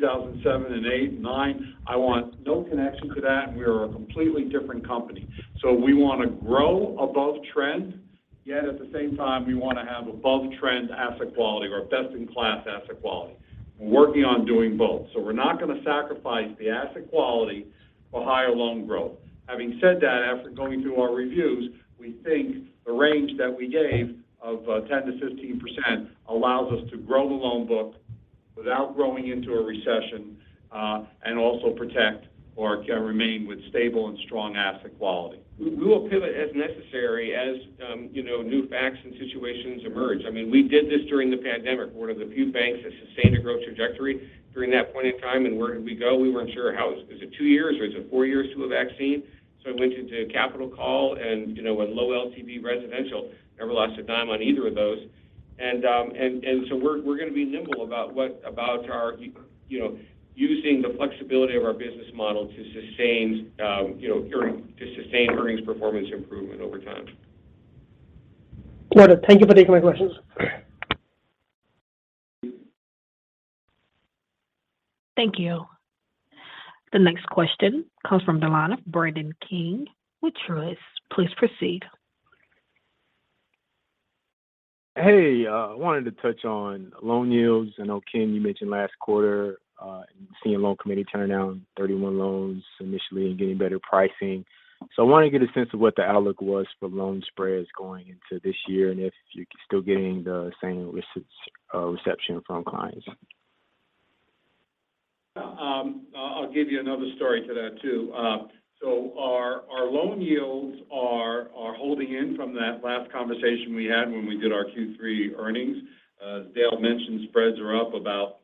that in 2007 and 2008 and 2009. I want no connection to that, and we are a completely different company. We want to grow above trend. Yet at the same time, we want to have above trend asset quality or best-in-class asset quality. We're working on doing both. We're not going to sacrifice the asset quality for higher loan growth. Having said that, after going through our reviews, we think the range that we gave of 10%-15% allows us to grow the loan book without growing into a recession and also protect or remain with stable and strong asset quality. We will pivot as necessary as, you know, new facts and situations emerge. I mean, we did this during the pandemic. We're one of the few banks that sustained a growth trajectory during that point in time. Where did we go? We weren't sure how. Is it two years or is it four years to a vaccine? We went into capital call and, you know, went low LTV residential. Never lost a dime on either of those. We're going to be nimble about our, you know, using the flexibility of our business model to sustain, you know, earnings performance improvement over time. Got it. Thank you for taking my questions. Thank you. The next question comes from the line of Brandon King with Truist. Please proceed. Hey, I wanted to touch on loan yields. I know, Ken, you mentioned last quarter, seeing loan committee turning down 31 loans initially and getting better pricing. I want to get a sense of what the outlook was for loan spreads going into this year and if you're still getting the same reception from clients? I'll give you another story to that too. Our loan yields are holding in from that last conversation we had when we did our Q3 earnings. As Dale mentioned, spreads are up about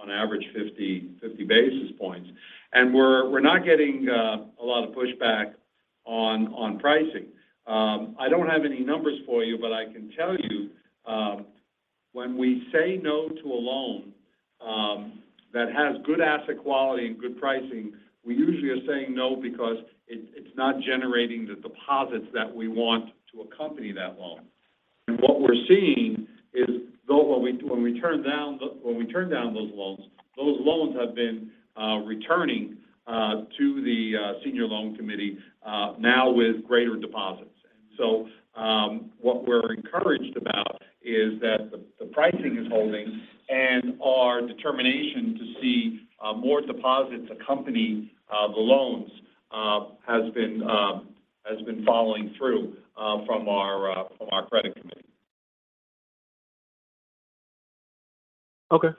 on average 50 basis points. We're not getting a lot of pushback on pricing. I don't have any numbers for you, but I can tell you, when we say no to a loan that has good asset quality and good pricing, we usually are saying no because it's not generating the deposits that we want to accompany that loan. What we're seeing is though when we turn down those loans, those loans have been returning to the senior loan committee now with greater deposits. What we're encouraged about is that the pricing is holding and our determination to see more deposits accompany the loans has been following through from our from our credit committee. Okay.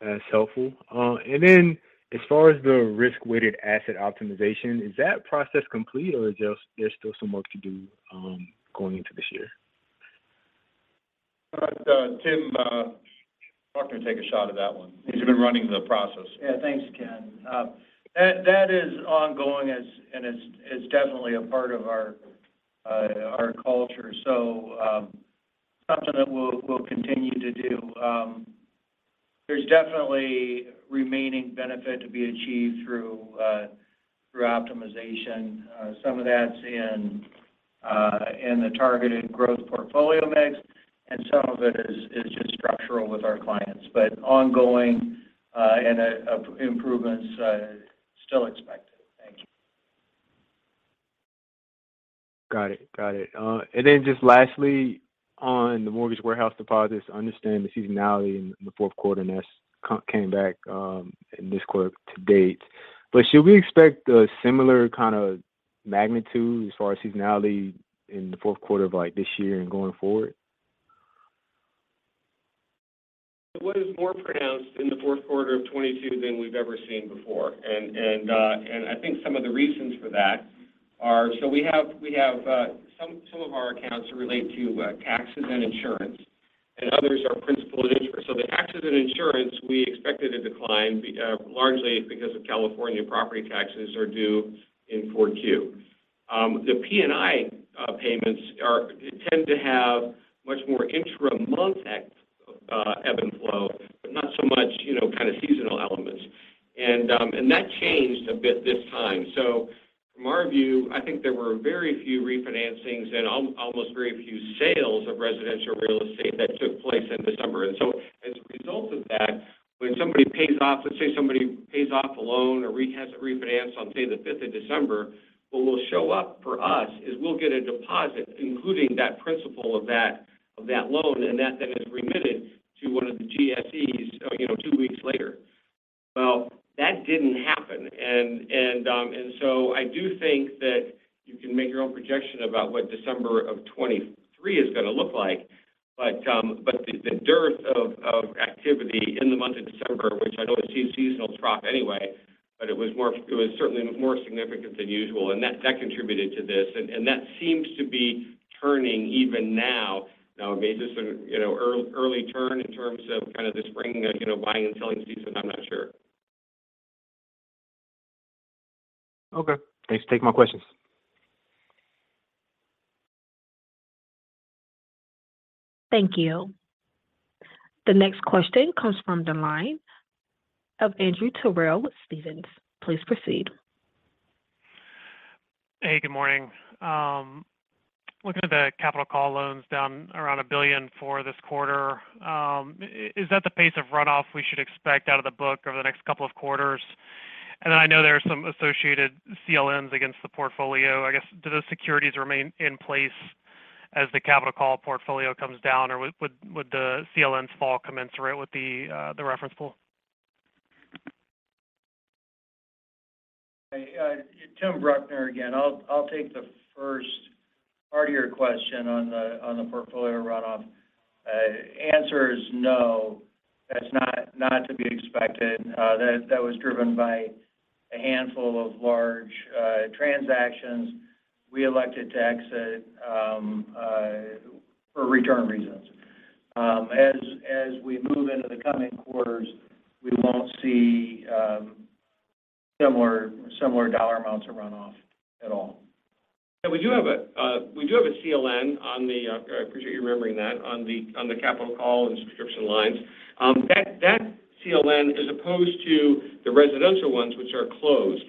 That's helpful. As far as the risk-weighted asset optimization, is that process complete or just there's still some work to do, going into this year? All right. Tim, I'll let you take a shot at that one. He's been running the process. Yeah. Thanks, Ken. That is ongoing as and is definitely a part of our culture. Something that we'll continue to do. There's definitely remaining benefit to be achieved through optimization. Some of that's in the targeted growth portfolio mix, and some of it is just structural with our clients. Ongoing, and, improvements are still expected. Thank you. Got it. Just lastly on the mortgage warehouse deposits, I understand the seasonality in the fourth quarter and that's came back in this quarter to date. Should we expect a similar kind of magnitude as far as seasonality in the fourth quarter of, like, this year and going forward? What is more pronounced in the fourth quarter of 2022 than we've ever seen before. I think some of the reasons for that so we have two of our accounts relate to taxes and insurance, and others are principal and interest. The taxes and insurance we expected a decline largely because of California property taxes are due in 4Q. The P&I payments tend to have much more intra-month ebb and flow, but not so much, you know, kind of seasonal elements. That changed a bit this time. From our view, I think there were very few refinancings and almost very few sales of residential real estate that took place in December. As a result of that, when somebody pays off, let's say somebody pays off a loan or has it refinanced on, say, the 5th of December, what will show up for us is we'll get a deposit including that principal of that, of that loan and that then is remitted to one of the GSEs, you know, two weeks later. That didn't happen. I do think that you can make your own projection about what December of 23 is going to look like. The dearth of activity in the month of December, which I know is a seasonal trough anyway, but it was certainly more significant than usual, and that contributed to this. That seems to be turning even now. It may just, you know, early turn in terms of kind of the spring, you know, buying and selling season. I'm not sure. Okay. Thanks. Take more questions. Thank you. The next question comes from the line of Andrew Terrell with Stephens. Please proceed. Hey, good morning. Looking at the capital call loans down around $1 billion for this quarter, is that the pace of runoff we should expect out of the book over the next couple of quarters? I know there are some associated CLNs against the portfolio. I guess, do those securities remain in place as the capital call portfolio comes down? Would the CLNs fall commensurate with the reference pool? Hey, Tim Bruckner again. I'll take the first part of your question on the portfolio runoff. Answer is no. That's not to be expected. That was driven by a handful of large transactions we elected to exit for return reasons. As we move into the coming quarters, we won't see similar dollar amounts of runoff at all. We do have a CLN on the, I appreciate you remembering that, on the capital call and subscription lines. That CLN, as opposed to the residential ones which are closed.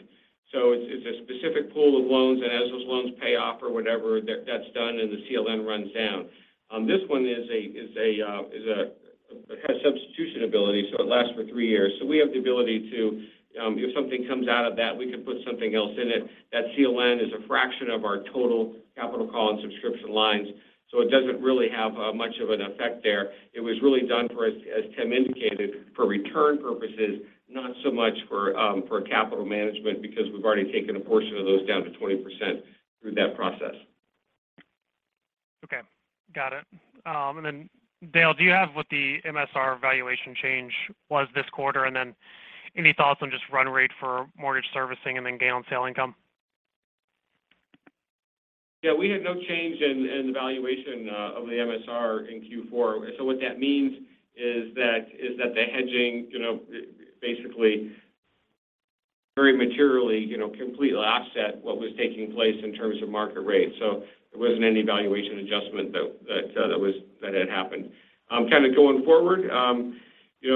It's a specific pool of loans, and as those loans pay off or whatever, that's done and the CLN runs down. This one is a, has substitution ability, so it lasts for three years. We have the ability to, if something comes out of that, we can put something else in it. That CLN is a fraction of our total capital call and subscription lines, so it doesn't really have much of an effect there. It was really done for, as Tim indicated, for return purposes, not so much for capital management because we've already taken a portion of those down to 20% through that process. Okay. Got it. Dale, do you have what the MSR valuation change was this quarter? Any thoughts on just run rate for mortgage servicing and then gain on sale income? We had no change in the valuation of the MSR in Q4. What that means is that the hedging, you know, basically very materially, you know, completely offset what was taking place in terms of market rates. There wasn't any valuation adjustment that had happened. Kind of going forward, you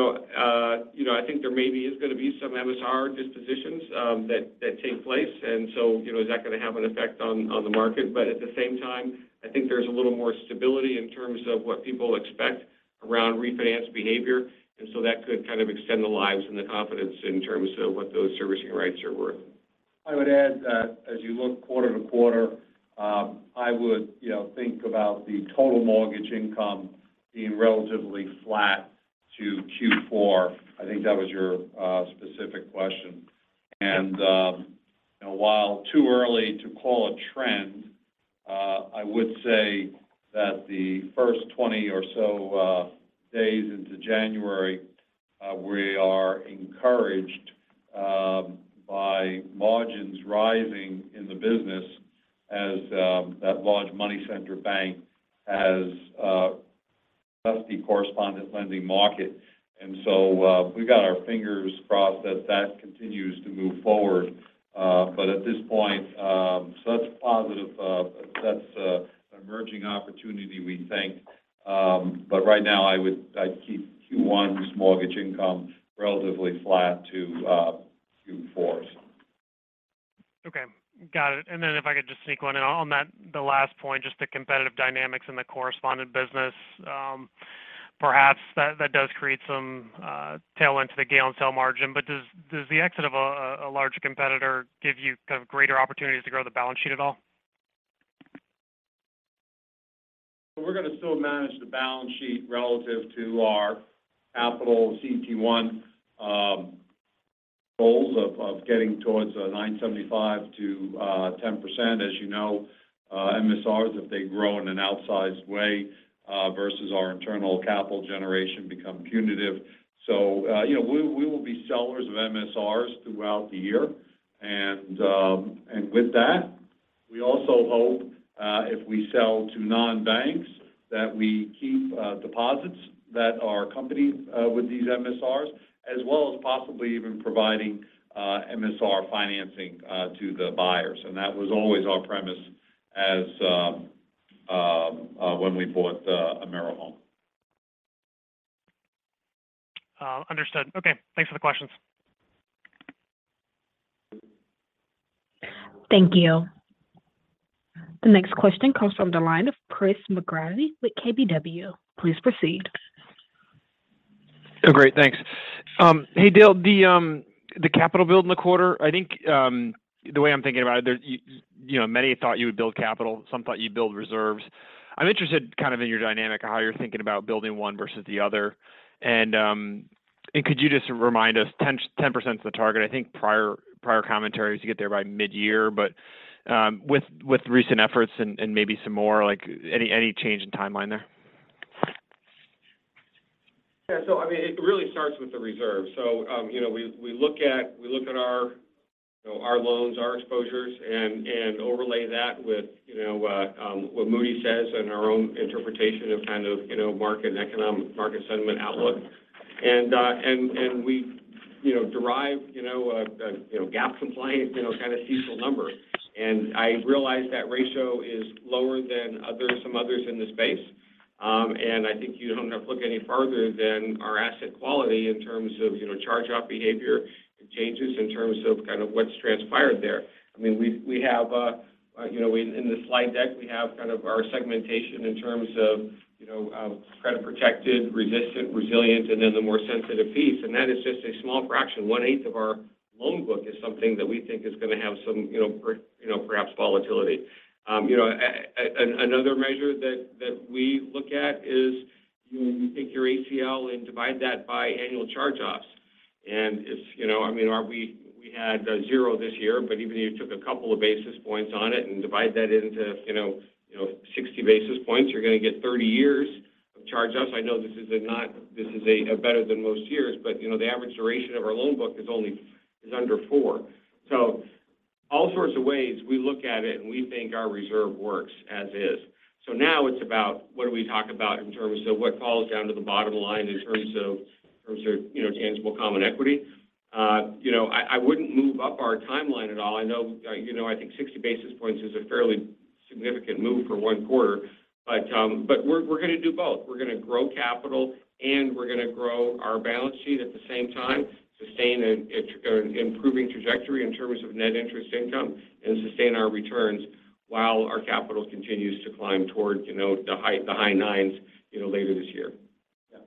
know, I think there maybe is going to be some MSR dispositions that take place. You know, is that going to have an effect on the market? At the same time, I think there's a little more stability in terms of what people expect around refinance behavior. That could kind of extend the lives and the confidence in terms of what those servicing rights are worth. I would add that as you look quarter-to-quarter, I would, you know, think about the total mortgage income being relatively flat to Q4. I think that was your specific question. While too early to call a trend, I would say that the first 20 or so days into January, we are encouraged by margins rising in the business as that large money center bank has exited the correspondent lending market. So, we've got our fingers crossed that that continues to move forward. At this point, so that's a positive, that's an emerging opportunity we think. Right now I'd keep Q1's mortgage income relatively flat to Q4's. Okay. Got it. If I could just sneak one in on that, the last point, just the competitive dynamics in the correspondent business. Perhaps that does create some tailwind to the gain on sale margin. Does the exit of a large competitor give you kind of greater opportunities to grow the balance sheet at all? We're going to still manage the balance sheet relative to our capital CET1, goals of getting towards 9.75%-10%. As you know, MSRs, if they grow in an outsized way, versus our internal capital generation become punitive. You know, we will be sellers of MSRs throughout the year. With that, we also hope, if we sell to non-banks, that we keep deposits that are accompanied with these MSRs, as well as possibly even providing MSR financing to the buyers. That was always our premise as when we bought AmeriHome. Understood. Okay. Thanks for the questions. Thank you. The next question comes from the line of Chris McGratty with KBW. Please proceed. Oh, great. Thanks. Hey, Dale. The, the capital build in the quarter, I think, the way I'm thinking about it, you know, many thought you would build capital, some thought you'd build reserves. I'm interested kind of in your dynamic of how you're thinking about building one versus the other. Could you just remind us 10% is the target. I think prior commentary is to get there by mid-year, but, with recent efforts and maybe some more, like any change in timeline there? Yeah. I mean, it really starts with the reserve. You know, we look at our, you know, our loans, our exposures, and overlay that with, you know, what Moody's says and our own interpretation of kind of, you know, market sentiment outlook. And we, you know, derive, you know, a, you know, GAAP compliant, you know, kind of CECL number. I realize that ratio is lower than some others in the space. I think you don't have to look any further than our asset quality in terms of, you know, charge-off behavior and changes in terms of kind of what's transpired there. I mean, we have, you know, in the slide deck, we have kind of our segmentation in terms of, you know, credit protected, resistant, resilient, and then the more sensitive piece, and that is just a small fraction. 1/8 of our loan book is something that we think is going to have some, you know, perhaps volatility. You know, and another measure that we look at is when you take your ACL and divide that by annual charge-offs. It's, you know, I mean, we had zero this year, but even if you took a couple of basis points on it and divide that into, you know, 60 basis points, you're going to get 30 years of charge-offs. I know this is a better than most years, but you know, the average duration of our loan book is under four. All sorts of ways we look at it, and we think our reserve works as is. Now it's about what do we talk about in terms of what falls down to the bottom line in terms of, in terms of, you know, tangible common equity. You know, I wouldn't move up our timeline at all. I know, you know, I think 60 basis points is a fairly significant move for one quarter. But we're going to do both. We're going to grow capital, and we're going to grow our balance sheet at the same time, sustain an improving trajectory in terms of net interest income and sustain our returns while our capital continues to climb toward, you know, the high nines, you know, later this year. Yeah.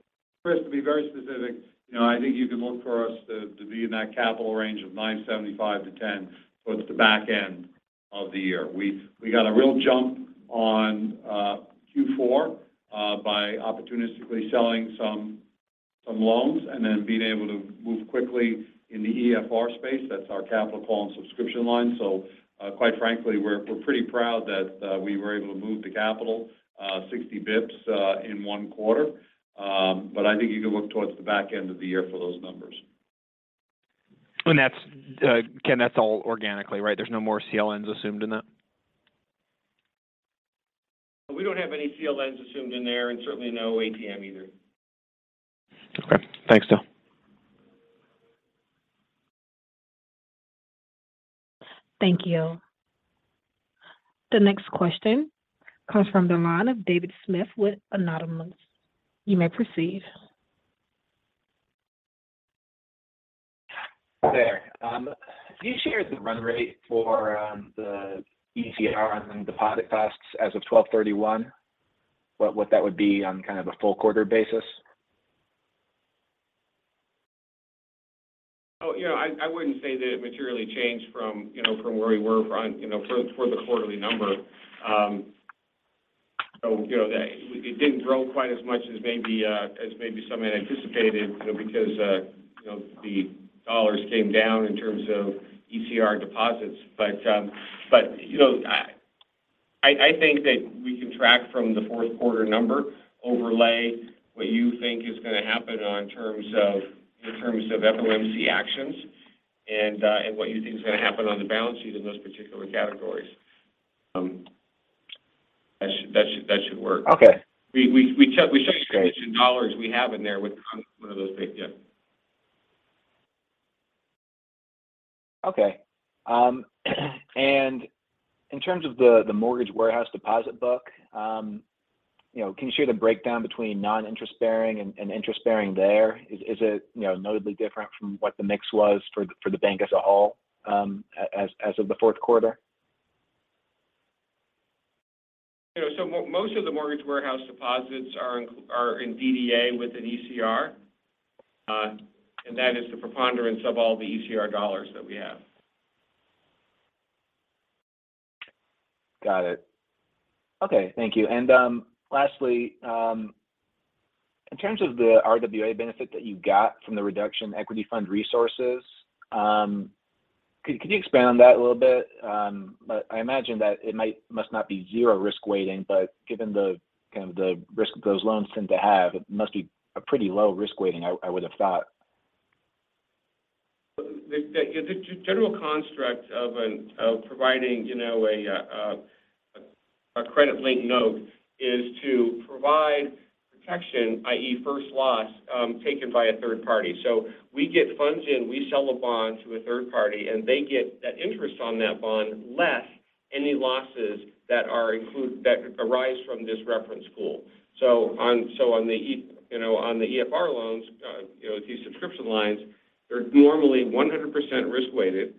Chris, to be very specific, you know, I think you can look for us to be in that capital range of 9.75%-10% towards the back end of the year. We got a real jump on Q4 by opportunistically selling some loans and then being able to move quickly in the EFR space. That's our capital call and subscription line. Quite frankly, we're pretty proud that we were able to move the capital 60 basis points in one quarter. I think you can look towards the back end of the year for those numbers. Ken, that's all organically, right? There's no more CLNs assumed in that? We don't have any CLNs assumed in there and certainly no ATM either. Okay. Thanks, Bill. Thank you. The next question comes from the line of David Chiaverini with Wedbush Securities. You may proceed. There. Can you share the run rate for the ECR on deposit costs as of 12/31? What, what that would be on kind of a full quarter basis? Oh, you know, I wouldn't say that it materially changed from, you know, from where we were on, you know, for the quarterly number. You know, that it didn't grow quite as much as maybe some had anticipated, you know, because, you know, the dollars came down in terms of ECR deposits. You know, I, I think that we can track from the fourth quarter number, overlay what you think is going to happen in terms of FOMC actions and what you think is going to happen on the balance sheet in those particular categories. That should work. Okay. We took. That's great. We took the dollars we have in there with one of those big yeah. Okay. In terms of the mortgage warehouse deposit book, you know, can you share the breakdown between non-interest bearing and interest bearing there? Is it, you know, notably different from what the mix was for the bank as a whole, as of the fourth quarter? You know, so most of the mortgage warehouse deposits are in DDA with an ECR. That is the preponderance of all the ECR dollars that we have. Got it. Okay. Thank you. Lastly, in terms of the RWA benefit that you got from the reduction Equity Fund Resources, could you expand on that a little bit? I imagine that it must not be zero risk weighting, but given the kind of the risk those loans tend to have, it must be a pretty low risk weighting I would have thought. The general construct of providing, you know, a Credit-Linked Note is to provide protection, i.e, first loss, taken by a third party. We get funds in, we sell a bond to a third party, and they get that interest on that bond less any losses that arise from this reference pool. On the EFR loans, you know, these subscription lines, they're normally 100%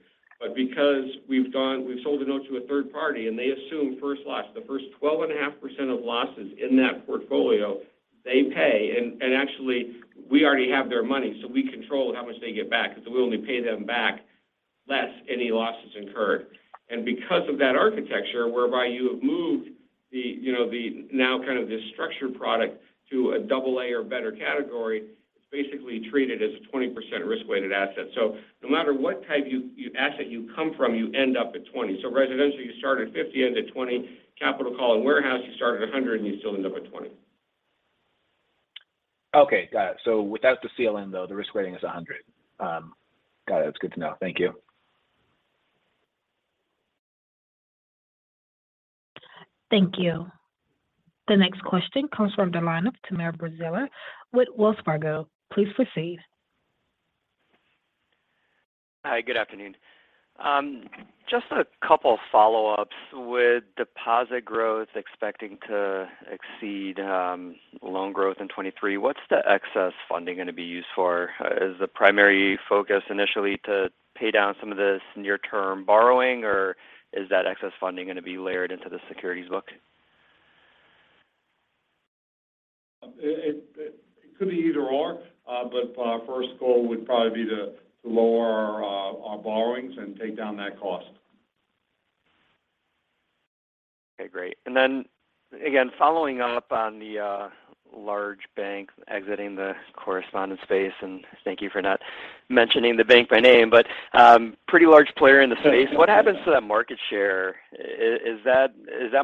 risk-weighted. Because we've sold a note to a third party and they assume first loss, the first 12.5% of losses in that portfolio, they pay. Actually we already have their money, so we control how much they get back because we only pay them backless any losses incurred. Because of that architecture whereby you have moved the, you know, the now kind of this structured product to a AA or better category, it's basically treated as a 20% risk-weighted asset. No matter what type you asset you come from, you end up at 20. Residential, you start at 50, end at 20. Capital call and warehouse, you start at 100 and you still end up at 20. Okay. Got it. Without the CLN though, the risk rating is 100. Got it. That's good to know. Thank you. Thank you. The next question comes from the line of Timur Braziler with Wells Fargo. Please proceed. Hi. Good afternoon. Just a couple follow-ups. With deposit growth expecting to exceed loan growth in 23, what's the excess funding going to be used for? Is the primary focus initially to pay down some of this near-term borrowing, or is that excess funding going to be layered into the securities book? It could be either/or, but our first goal would probably be to lower our borrowings and take down that cost. Okay. Great. Then again, following up on the large bank exiting the correspondent space, thank you for not mentioning the bank by name, but pretty large player in the space. What happens to that market share? Is that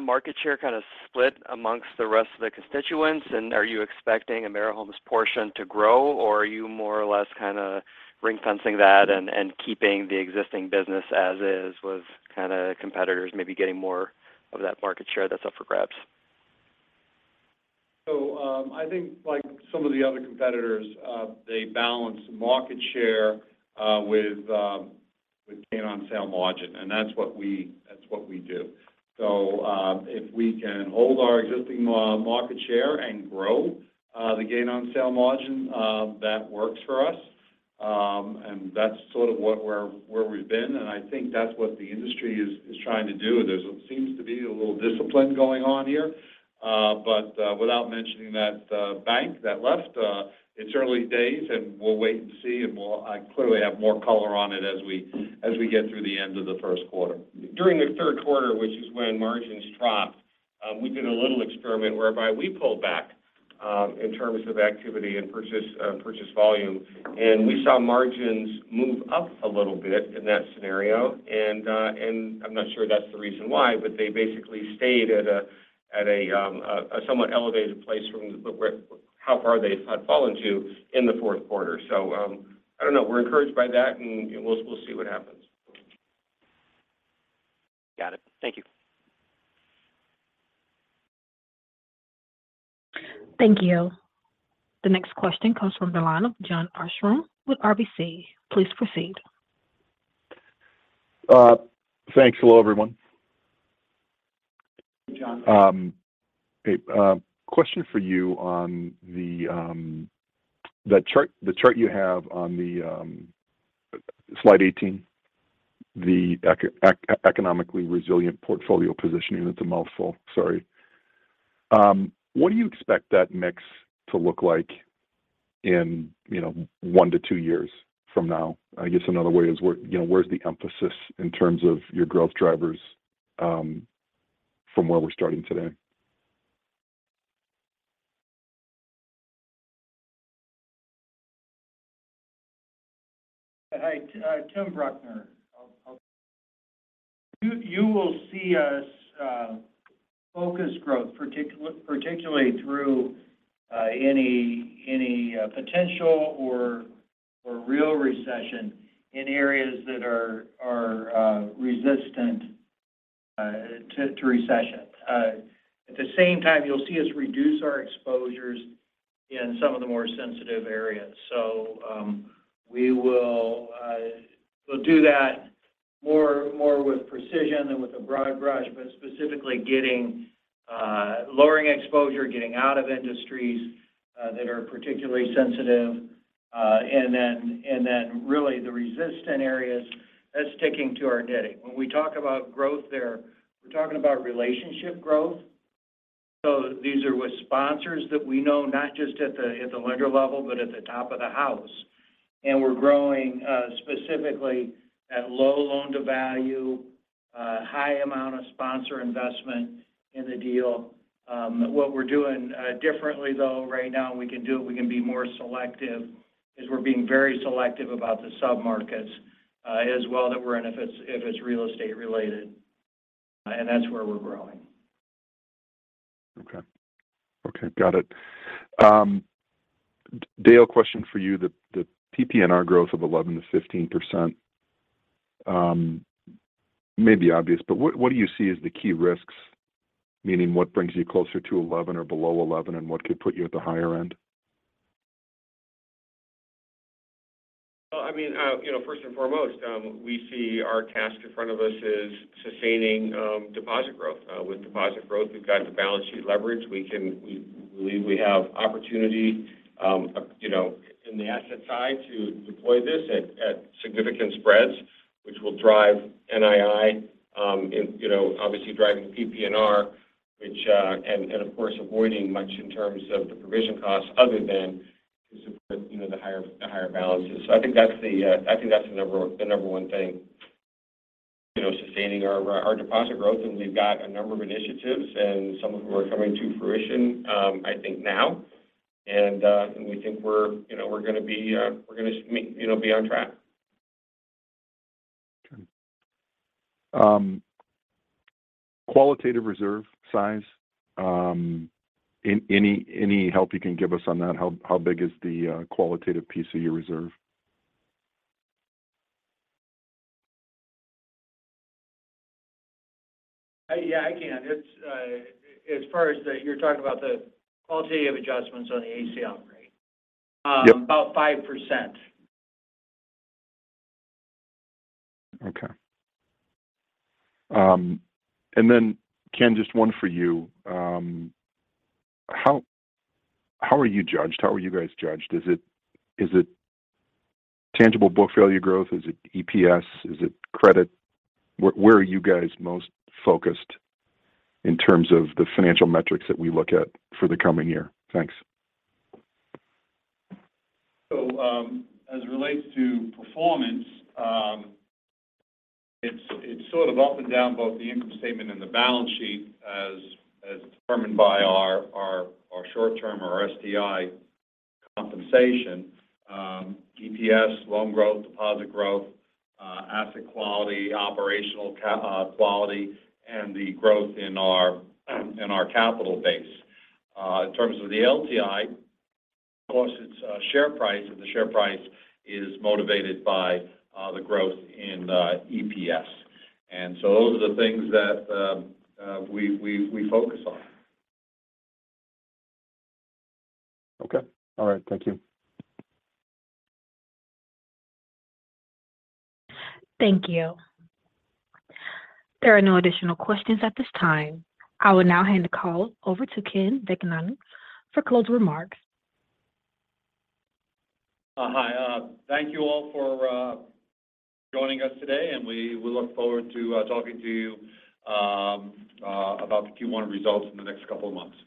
market share kind of split amongst the rest of the constituents? Are you expecting AmeriHome's portion to grow, or are you more or less kind of ring-fencing that and keeping the existing business as is with kind of competitors maybe getting more of that market share that's up for grabs? I think like some of the other competitors, they balance market share with gain on sale margin. That's what we do. If we can hold our existing market share and grow the gain on sale margin, that works for us. That's sort of where we've been, and I think that's what the industry is trying to do. There's what seems to be a little discipline going on here. Without mentioning that bank that left, it's early days, and we'll wait and see. I clearly have more color on it as we get through the end of the first quarter. During the third quarter, which is when margins dropped, we did a little experiment whereby we pulled back in terms of activity and purchase volume, and we saw margins move up a little bit in that scenario. I'm not sure that's the reason why, but they basically stayed at a somewhat elevated place from how far they had fallen to in the fourth quarter. I don't know. We're encouraged by that, and we'll see what happens. Got it. Thank you. Thank you. The next question comes from the line of Jon Arfstrom with RBC. Please proceed. Thanks. Hello, everyone. Hey, Jon. Hey, question for you on the chart you have on Slide 18, the economically resilient portfolio positioning. It's a mouthful, sorry. What do you expect that mix to look like in, you know, 1-2 years from now? I guess another way is where, you know, where's the emphasis in terms of your growth drivers from where we're starting today? Hi. Tim Bruckner. You will see us focus growth particularly through any potential or real recession in areas that are resistant to recession. At the same time, you'll see us reduce our exposures in some of the more sensitive areas. We will we'll do that more with precision than with a broad brush, but specifically getting lowering exposure, getting out of industries that are particularly sensitive. Really the resistant areas, that's sticking to our knitting. When we talk about growth there, we're talking about relationship growth. These are with sponsors that we know, not just at the lender level, but at the top of the house. We're growing specifically at low loan-to-value, high amount of sponsor investment in the deal. What we're doing differently though right now, and we can do it, we can be more selective, is we're being very selective about the sub-markets as well that we're in if it's, if it's real estate related. That's where we're growing. Okay. Okay. Got it. Dale, question for you. The PPNR growth of 11%-15%, may be obvious, but what do you see as the key risks? Meaning what brings you closer to 11 or below 11, and what could put you at the higher end? Well, I mean, you know, first and foremost, we see our task in front of us is sustaining deposit growth. With deposit growth, we've got the balance sheet leverage. We have opportunity, you know, in the asset side to deploy this at significant spreads, which will drive NII, and, you know, obviously driving PPNR, and of course, avoiding much in terms of the provision costs other than To support, you know, the higher balances. I think that's the number one thing, you know, sustaining our deposit growth. We've got a number of initiatives and some of them are coming to fruition, I think now. We think we're, you know, we're gonna be on track. Okay. qualitative reserve size, any help you can give us on that? How big is the qualitative piece of your reserve? Yeah, I can. It's, as far as you're talking about the qualitative adjustments on the ACL rate. Yep. About 5%. Okay. Ken, just one for you. How are you judged? How are you guys judged? Is it tangible book value growth? Is it EPS? Is it credit? Where are you guys most focused in terms of the financial metrics that we look at for the coming year? Thanks. As it relates to performance, it's sort of up and down both the income statement and the balance sheet as determined by our short term or our STI compensation. EPS, loan growth, deposit growth, asset quality, operational quality, and the growth in our capital base. In terms of the LTI, of course it's share price, and the share price is motivated by the growth in EPS. Those are the things that we focus on. Okay. All right. Thank you. Thank you. There are no additional questions at this time. I will now hand the call over to Ken Vecchione for closing remarks. Hi. Thank you all for joining us today, and we look forward to talking to you about the Q1 results in the next couple of months.